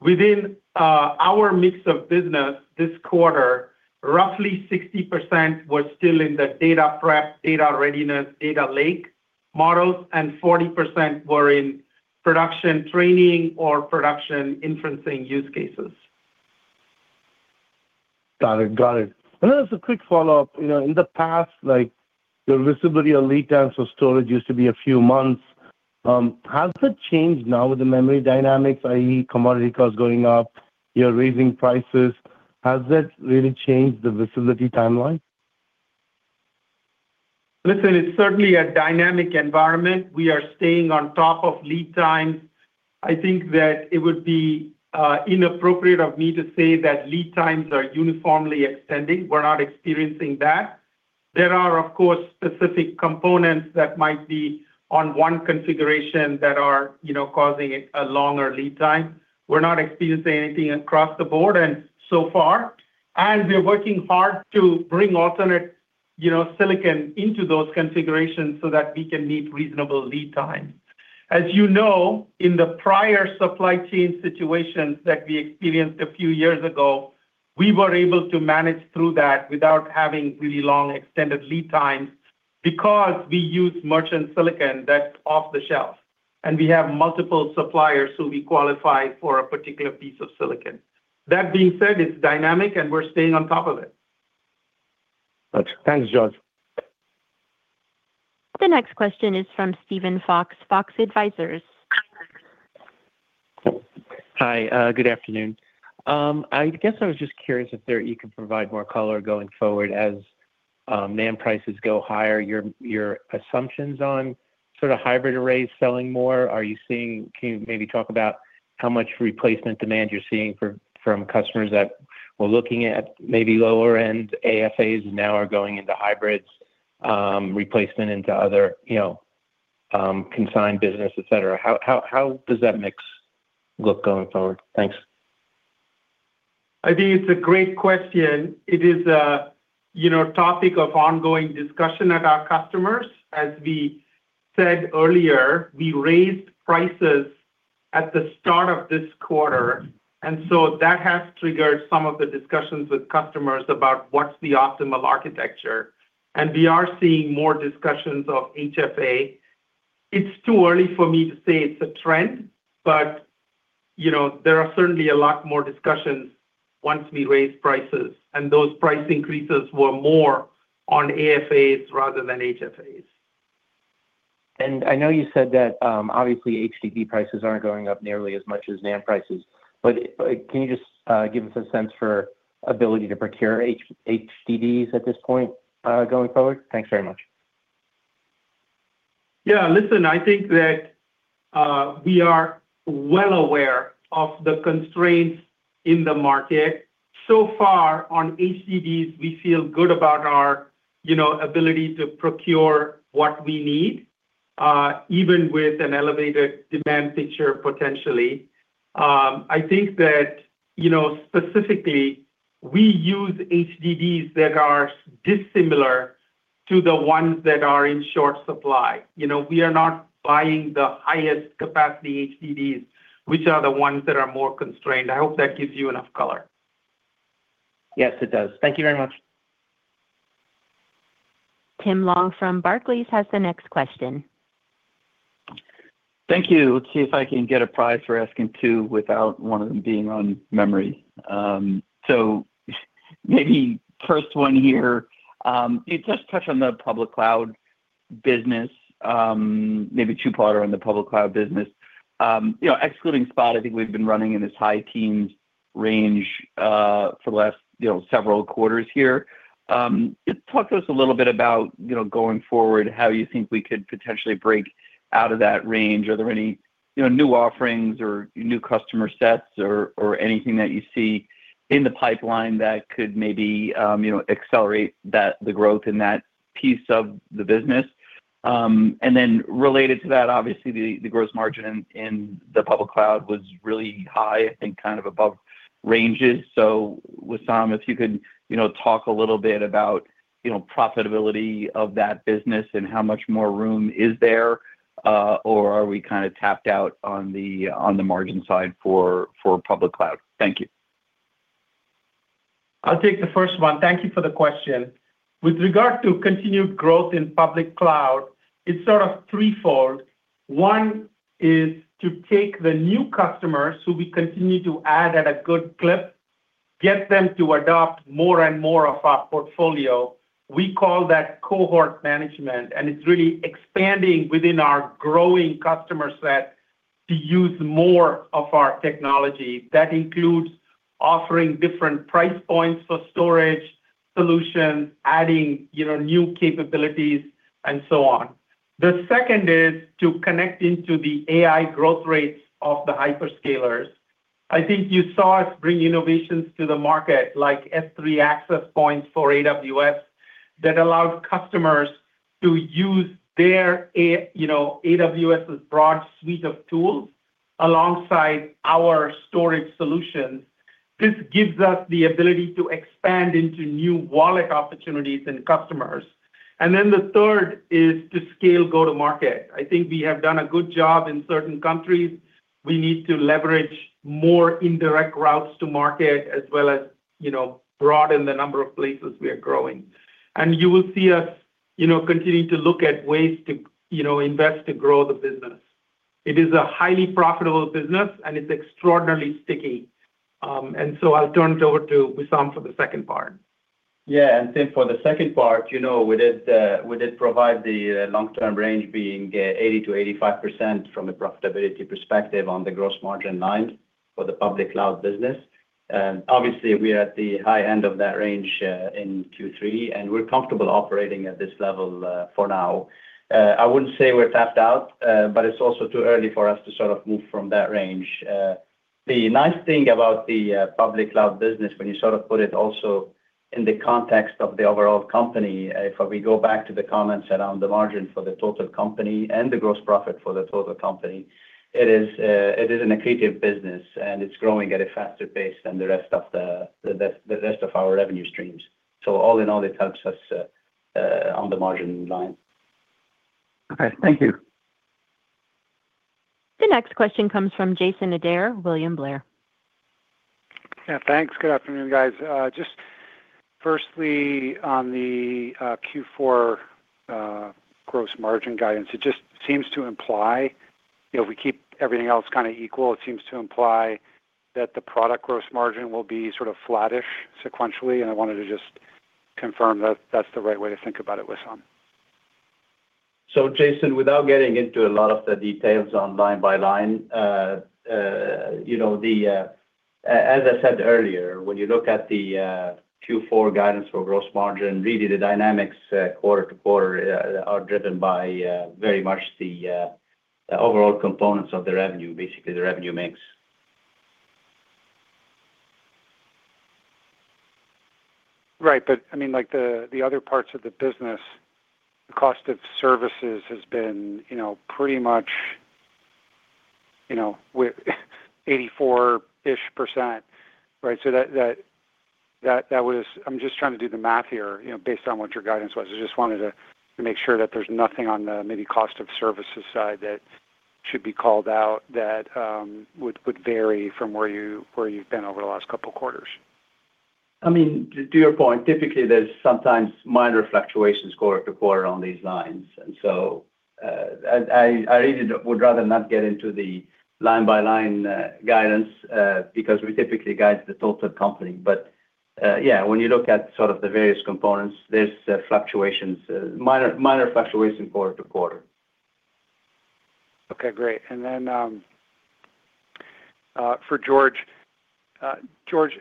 C: Within, our mix of business this quarter, roughly 60% were still in the data prep, data readiness, data lake models, and 40% were in production training or production inferencing use cases.
K: Got it. Got it. As a quick follow-up, you know, in the past, like the visibility or lead times for storage used to be a few months. Has it changed now with the memory dynamics, i.e., commodity costs going up, you're raising prices, has that really changed the facility timeline?
C: Listen, it's certainly a dynamic environment. We are staying on top of lead times. I think that it would be inappropriate of me to say that lead times are uniformly extending. We're not experiencing that. There are, of course, specific components that might be on one configuration that are, you know, causing a longer lead time. We're not experiencing anything across the board and so far. We are working hard to bring alternate, you know, silicon into those configurations so that we can meet reasonable lead times. As you know, in the prior supply chain situations that we experienced a few years ago, we were able to manage through that without having really long extended lead times because we use merchant silicon that's off the shelf, and we have multiple suppliers who we qualify for a particular piece of silicon. That being said, it's dynamic, and we're staying on top of it.
K: Got you. Thanks, George.
A: The next question is from Steven Fox, Fox Advisors.
L: Hi. Good afternoon. I guess I was just curious if there you could provide more color going forward as NAND prices go higher, your assumptions on sort of hybrid arrays selling more. Can you maybe talk about how much replacement demand you're seeing for, from customers that were looking at maybe lower-end AFAs and now are going into hybrids, replacement into other, you know, consigned business, et cetera? How does that mix look going forward? Thanks.
C: I think it's a great question. It is a, you know, topic of ongoing discussion at our customers. As we said earlier, we raised prices at the start of this quarter. That has triggered some of the discussions with customers about what's the optimal architecture. We are seeing more discussions of HFA. It's too early for me to say it's a trend, but, you know, there are certainly a lot more discussions once we raise prices. Those price increases were more on AFAs rather than HFAs.
L: I know you said that, obviously, HDD prices aren't going up nearly as much as NAND prices, but, can you just give us a sense for ability to procure HDDs at this point, going forward? Thanks very much.
C: Yeah, listen, I think that, we are well aware of the constraints in the market. So far on HDDs, we feel good about our, you know, ability to procure what we need, even with an elevated demand picture, potentially. I think that, you know, specifically, we use HDDs that are dissimilar to the ones that are in short supply. You know, we are not buying the highest capacity HDDs, which are the ones that are more constrained. I hope that gives you enough color.
L: Yes, it does. Thank you very much.
A: Tim Long from Barclays has the next question.
M: Thank you. Let's see if I can get a prize for asking two without one of them being on memory. Maybe first one here, it just touch on the public cloud business, maybe two-parter on the public cloud business. You know, excluding Spot, I think we've been running in this high teens range, for the last, you know, several quarters here. Just talk to us a little bit about, you know, going forward, how you think we could potentially break out of that range? Are there any, you know, new offerings or new customer sets or anything that you see in the pipeline that could maybe, you know, accelerate that, the growth in that piece of the business? Related to that, obviously, the gross margin in the public cloud was really high, I think, kind of above ranges. Wissam, if you could, you know, talk a little bit about, you know, profitability of that business and how much more room is there, or are we kinda tapped out on the, on the margin side for public cloud? Thank you.
C: I'll take the first one. Thank you for the question. With regard to continued growth in public cloud, it's sort of three-fold. One is to take the new customers, who we continue to add at a good clip, get them to adopt more and more of our portfolio. We call that cohort management, and it's really expanding within our growing customer set to use more of our technology. That includes offering different price points for storage solutions, adding, you know, new capabilities, and so on. The second is to connect into the AI growth rates of the hyperscalers. I think you saw us bring innovations to the market, like S3 Access Points for AWS, that allowed customers to use their, you know, AWS's broad suite of tools alongside our storage solutions. This gives us the ability to expand into new wallet opportunities and customers. The third is to scale go-to-market. I think we have done a good job in certain countries. We need to leverage more indirect routes to market, as well as, you know, broaden the number of places we are growing. You will see us, you know, continuing to look at ways to, you know, invest to grow the business. It is a highly profitable business, and it's extraordinarily sticky. I'll turn it over to Wissam for the second part.
D: Yeah, then for the second part, you know, we did provide the long-term range being 80%-85% from the profitability perspective on the gross margin line for the public cloud business. Obviously, we are at the high end of that range in Q3, and we're comfortable operating at this level for now. I wouldn't say we're tapped out, but it's also too early for us to sort of move from that range. The nice thing about the public cloud business, when you sort of put it also in the context of the overall company, if we go back to the comments around the margin for the total company and the gross profit for the total company, it is an accretive business, and it's growing at a faster pace than the rest of our revenue streams. All in all, it helps us on the margin line.
M: Okay. Thank you.
A: The next question comes from Jason Ader, William Blair.
N: Yeah, thanks. Good afternoon, guys. Just firstly, on the Q4 gross margin guidance, it just seems to imply, you know, if we keep everything else kind of equal, it seems to imply that the product gross margin will be sort of flattish sequentially. I wanted to just confirm that that's the right way to think about it, Wissam.
D: Jason, without getting into a lot of the details on line by line, you know, as I said earlier, when you look at the Q4 guidance for gross margin, really, the dynamics quarter-to-quarter are driven by very much the overall components of the revenue, basically, the revenue mix.
N: I mean, like the other parts of the business, the cost of services has been, you know, pretty much, you know, with 84-ish%, right? That, that was... I'm just trying to do the math here, you know, based on what your guidance was. I just wanted to make sure that there's nothing on the maybe cost of services side that should be called out that would vary from where you, where you've been over the last couple of quarters.
D: I mean, to your point, typically, there's sometimes minor fluctuations quarter to quarter on these lines. I really would rather not get into the line-by-line guidance because we typically guide the total company. Yeah, when you look at sort of the various components, there's fluctuations, minor fluctuation quarter to quarter.
N: Okay, great. For George. George,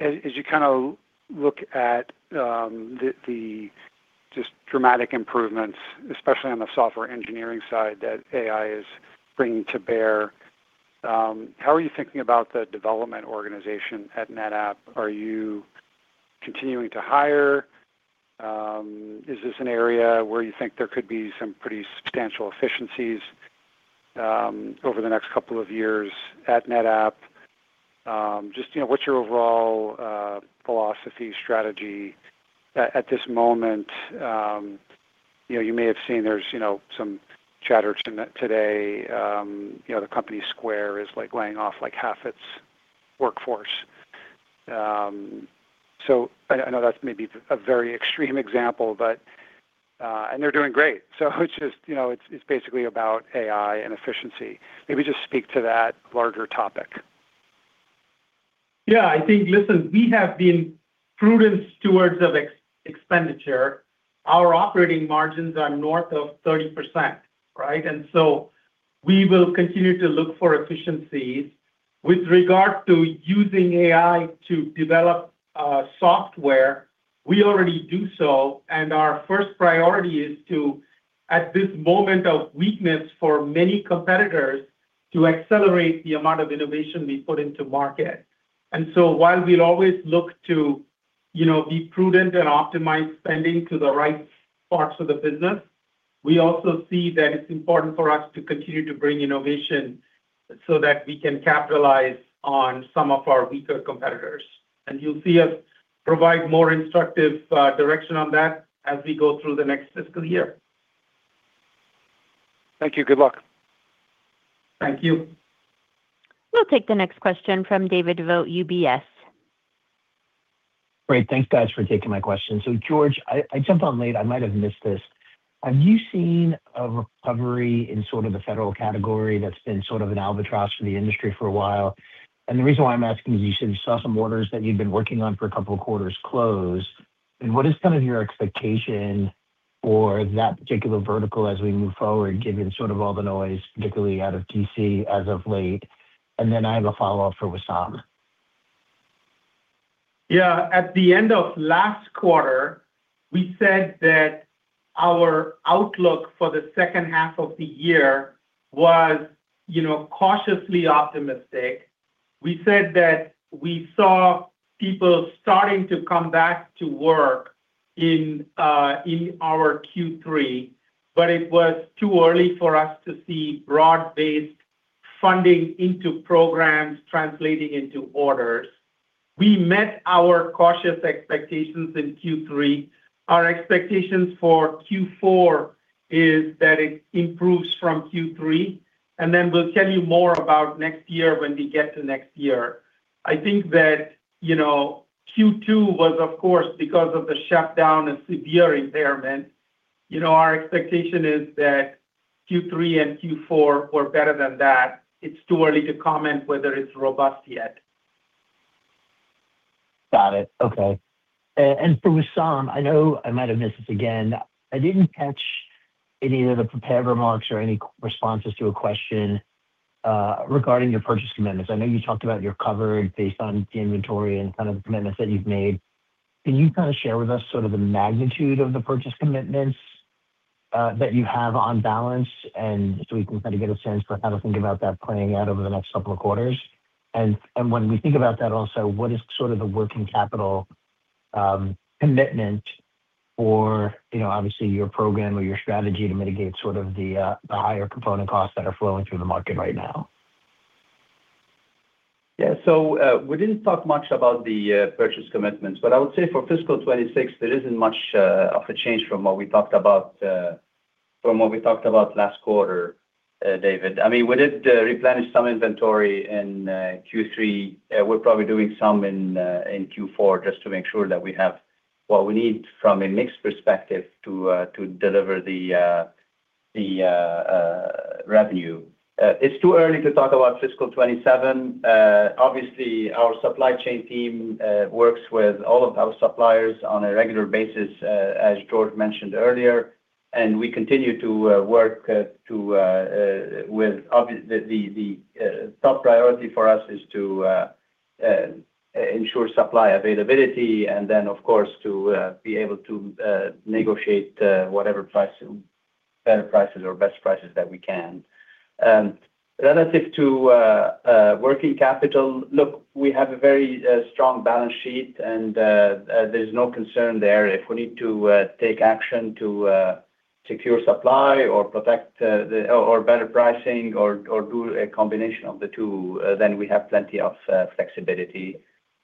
N: as you kind of look at the just dramatic improvements, especially on the software engineering side, that AI is bringing to bear, how are you thinking about the development organization at NetApp? Are you continuing to hire? Is this an area where you think there could be some pretty substantial efficiencies over the next couple of years at NetApp? Just, you know, what's your overall philosophy, strategy at this moment? You know, you may have seen there's, you know, some chatter today, you know, the company Square is, like, laying off, like, half its workforce. I know that's maybe a very extreme example, but they're doing great. It's just, you know, it's basically about AI and efficiency. Maybe just speak to that larger topic.
C: Yeah, I think, listen, we have been prudent stewards of expenditure. Our operating margins are north of 30%, right? We will continue to look for efficiencies. With regard to using AI to develop software, we already do so, and our first priority is to, at this moment of weakness for many competitors, to accelerate the amount of innovation we put into market. While we'll always look to, you know, be prudent and optimize spending to the right parts of the business, we also see that it's important for us to continue to bring innovation so that we can capitalize on some of our weaker competitors. You'll see us provide more instructive direction on that as we go through the next fiscal year.
N: Thank you. Good luck.
C: Thank you.
A: We'll take the next question from David Vogt, UBS.
O: Great. Thanks, guys, for taking my question. George, I jumped on late, I might have missed this. Have you seen a recovery in sort of the federal category that's been sort of an albatross for the industry for a while? The reason why I'm asking is you said you saw some orders that you've been working on for a couple of quarters close. What is kind of your expectation for that particular vertical as we move forward, given sort of all the noise, particularly out of D.C. as of late? Then I have a follow-up for Wissam.
C: Yeah. At the end of last quarter, we said that our outlook for the second half of the year was, you know, cautiously optimistic. We said that we saw people starting to come back to work in our Q3, but it was too early for us to see broad-based funding into programs translating into orders. We met our cautious expectations in Q3. Our expectations for Q4 is that it improves from Q3, then we'll tell you more about next year when we get to next year. I think that, you know, Q2 was, of course, because of the shutdown, a severe impairment. You know, our expectation is that Q3 and Q4 were better than that. It's too early to comment whether it's robust yet.
O: Got it. Okay. For Wissam, I know I might have missed this again. I didn't catch any of the prepared remarks or any responses to a question regarding your purchase commitments. I know you talked about you're covered based on the inventory and kind of the commitments that you've made. Can you kind of share with us sort of the magnitude of the purchase commitments that you have on balance, so we can kind of get a sense for how to think about that playing out over the next couple of quarters? And when we think about that also, what is sort of the working capital commitment for, you know, obviously, your program or your strategy to mitigate sort of the higher component costs that are flowing through the market right now?
D: So, we didn't talk much about the purchase commitments. I would say for fiscal 2026, there isn't much of a change from what we talked about last quarter, David. We did replenish some inventory in Q3. We're probably doing some in Q4, just to make sure that we have what we need from a mix perspective to deliver the revenue. It's too early to talk about fiscal 2027. Obviously, our supply chain team works with all of our suppliers on a regular basis, as George mentioned earlier, and we continue to work to with the top priority for us is to ensure supply availability and then, of course, to be able to negotiate whatever price, better prices or best prices that we can. Relative to working capital, look, we have a very strong balance sheet, and there's no concern there. If we need to take action to secure supply or protect the or better pricing or do a combination of the two, then we have plenty of flexibility.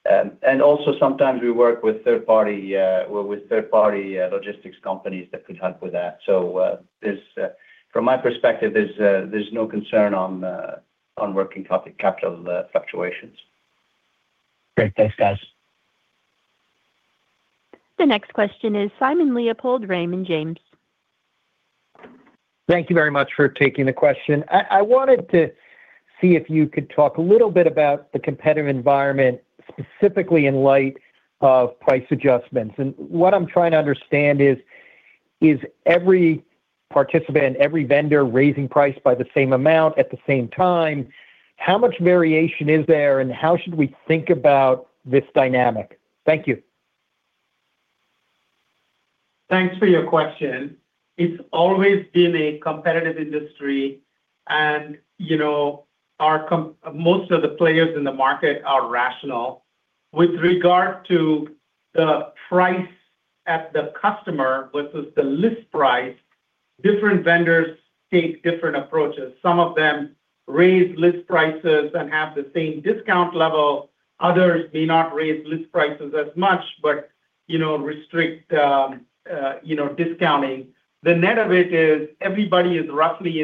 D: And also sometimes we work with third-party with third-party logistics companies that could help with that. There's from my perspective, there's no concern on working capital fluctuations.
O: Great. Thanks, guys.
A: The next question is Simon Leopold, Raymond James.
P: Thank you very much for taking the question. I wanted to see if you could talk a little bit about the competitive environment, specifically in light of price adjustments. What I'm trying to understand is, Is every participant, every vendor raising price by the same amount at the same time? How much variation is there, and how should we think about this dynamic? Thank you.
C: Thanks for your question. It's always been a competitive industry, and, you know, our most of the players in the market are rational. With regard to the price at the customer, which is the list price, different vendors take different approaches. Some of them raise list prices and have the same discount level, others may not raise list prices as much, but, you know, restrict, you know, discounting. The net of it is everybody is roughly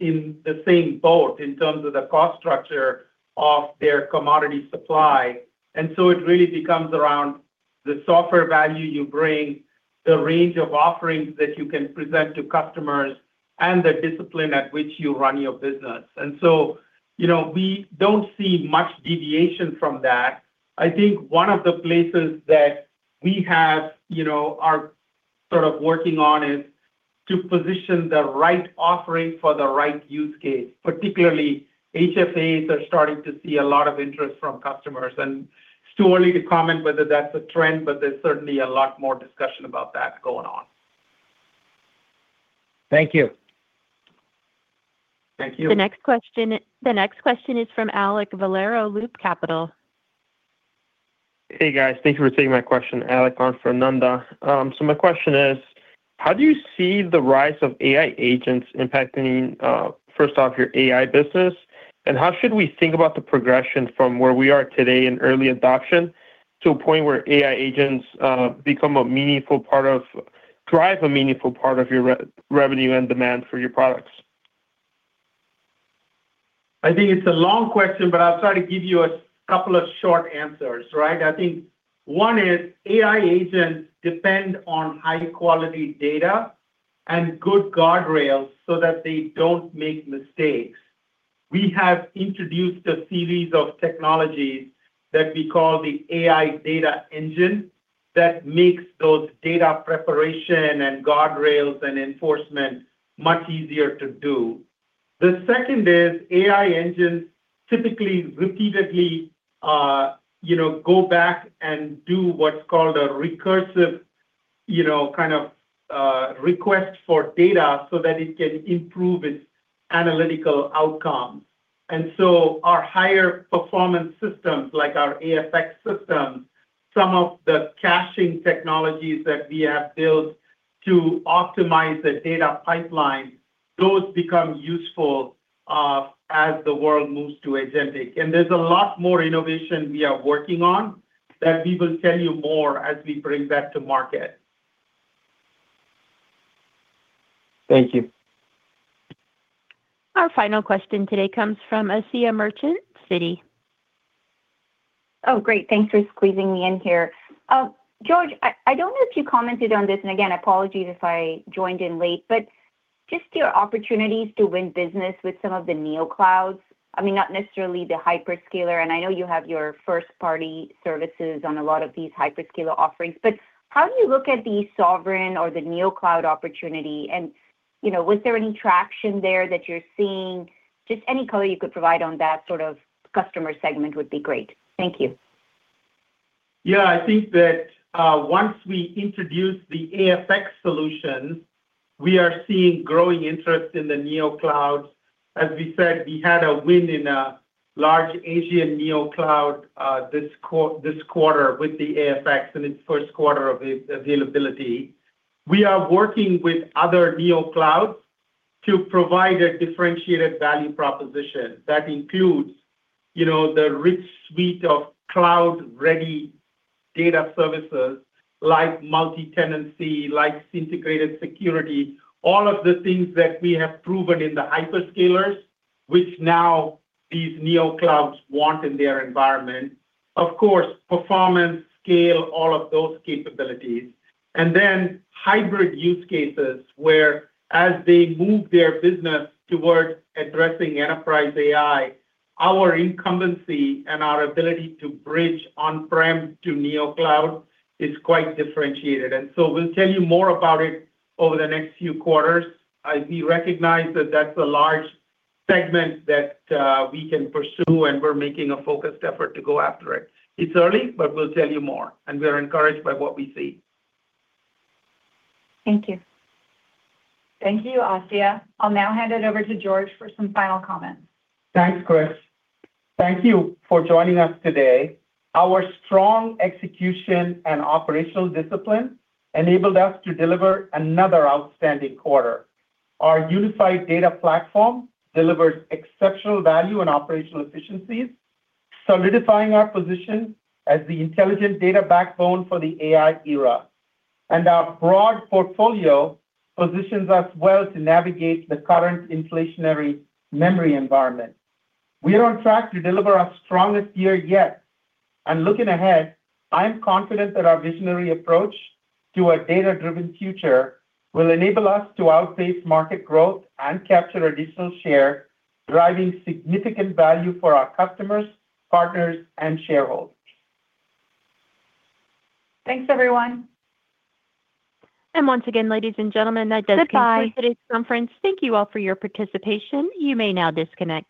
C: in the same boat in terms of the cost structure of their commodity supply. It really becomes around the software value you bring, the range of offerings that you can present to customers, and the discipline at which you run your business. You know, we don't see much deviation from that. I think one of the places that we have, you know, are sort of working on is to position the right offering for the right use case. Particularly, HFAs are starting to see a lot of interest from customers, and it's too early to comment whether that's a trend, but there's certainly a lot more discussion about that going on.
P: Thank you.
C: Thank you.
A: The next question is from Alek Valero, Loop Capital.
Q: Hey, guys. Thank you for taking my question. Alek on for Ananda. My question is: how do you see the rise of AI agents impacting first off, your AI business? How should we think about the progression from where we are today in early adoption to a point where AI agents drive a meaningful part of your revenue and demand for your products?
C: I think it's a long question. I'll try to give you a couple of short answers, right? I think one is AI agents depend on high-quality data and good guardrails so that they don't make mistakes. We have introduced a series of technologies that we call the AI Data Engine, that makes those data preparation and guardrails and enforcement much easier to do. The second is, AI engines typically, repeatedly, you know, go back and do what's called a recursive, you know, kind of, request for data so that it can improve its analytical outcome. Our higher performance systems, like our AFX systems, some of the caching technologies that we have built to optimize the data pipeline, those become useful as the world moves to agentic. There's a lot more innovation we are working on that we will tell you more as we bring that to market.
Q: Thank you.
A: Our final question today comes from Asiya Merchant, Citi.
R: Oh, great. Thanks for squeezing me in here. George, I don't know if you commented on this, and again, apologies if I joined in late, but just your opportunities to win business with some of the neoclouds. I mean, not necessarily the hyperscaler, and I know you have your first-party services on a lot of these hyperscaler offerings, but how do you look at the sovereign or the neocloud opportunity? You know, was there any traction there that you're seeing? Just any color you could provide on that sort of customer segment would be great. Thank you.
C: I think that once we introduce the AFX solution, we are seeing growing interest in the neoclouds. As we said, we had a win in a large Asian neocloud this quarter with the AFX in its first quarter of availability. We are working with other neoclouds to provide a differentiated value proposition that includes, you know, the rich suite of cloud-ready data services like multi-tenancy, like integrated security, all of the things that we have proven in the hyperscalers, which now these neoclouds want in their environment. Of course, performance, scale, all of those capabilities. Hybrid use cases, where as they move their business towards addressing enterprise AI, our incumbency and our ability to bridge on-prem to neocloud is quite differentiated. We'll tell you more about it over the next few quarters. We recognize that that's a large segment that we can pursue, and we're making a focused effort to go after it. It's early, but we'll tell you more, and we're encouraged by what we see.
R: Thank you.
B: Thank you, Asiya. I'll now hand it over to George for some final comments.
C: Thanks, Kris. Thank you for joining us today. Our strong execution and operational discipline enabled us to deliver another outstanding quarter. Our unified data platform delivered exceptional value and operational efficiencies, solidifying our position as the intelligent data backbone for the AI era. Our broad portfolio positions us well to navigate the current inflationary memory environment. We are on track to deliver our strongest year yet, and looking ahead, I am confident that our visionary approach to a data-driven future will enable us to outpace market growth and capture additional share, driving significant value for our customers, partners, and shareholders.
B: Thanks, everyone.
A: Once again, ladies and gentlemen, Goodbye conclude today's conference. Thank you all for your participation. You may now disconnect.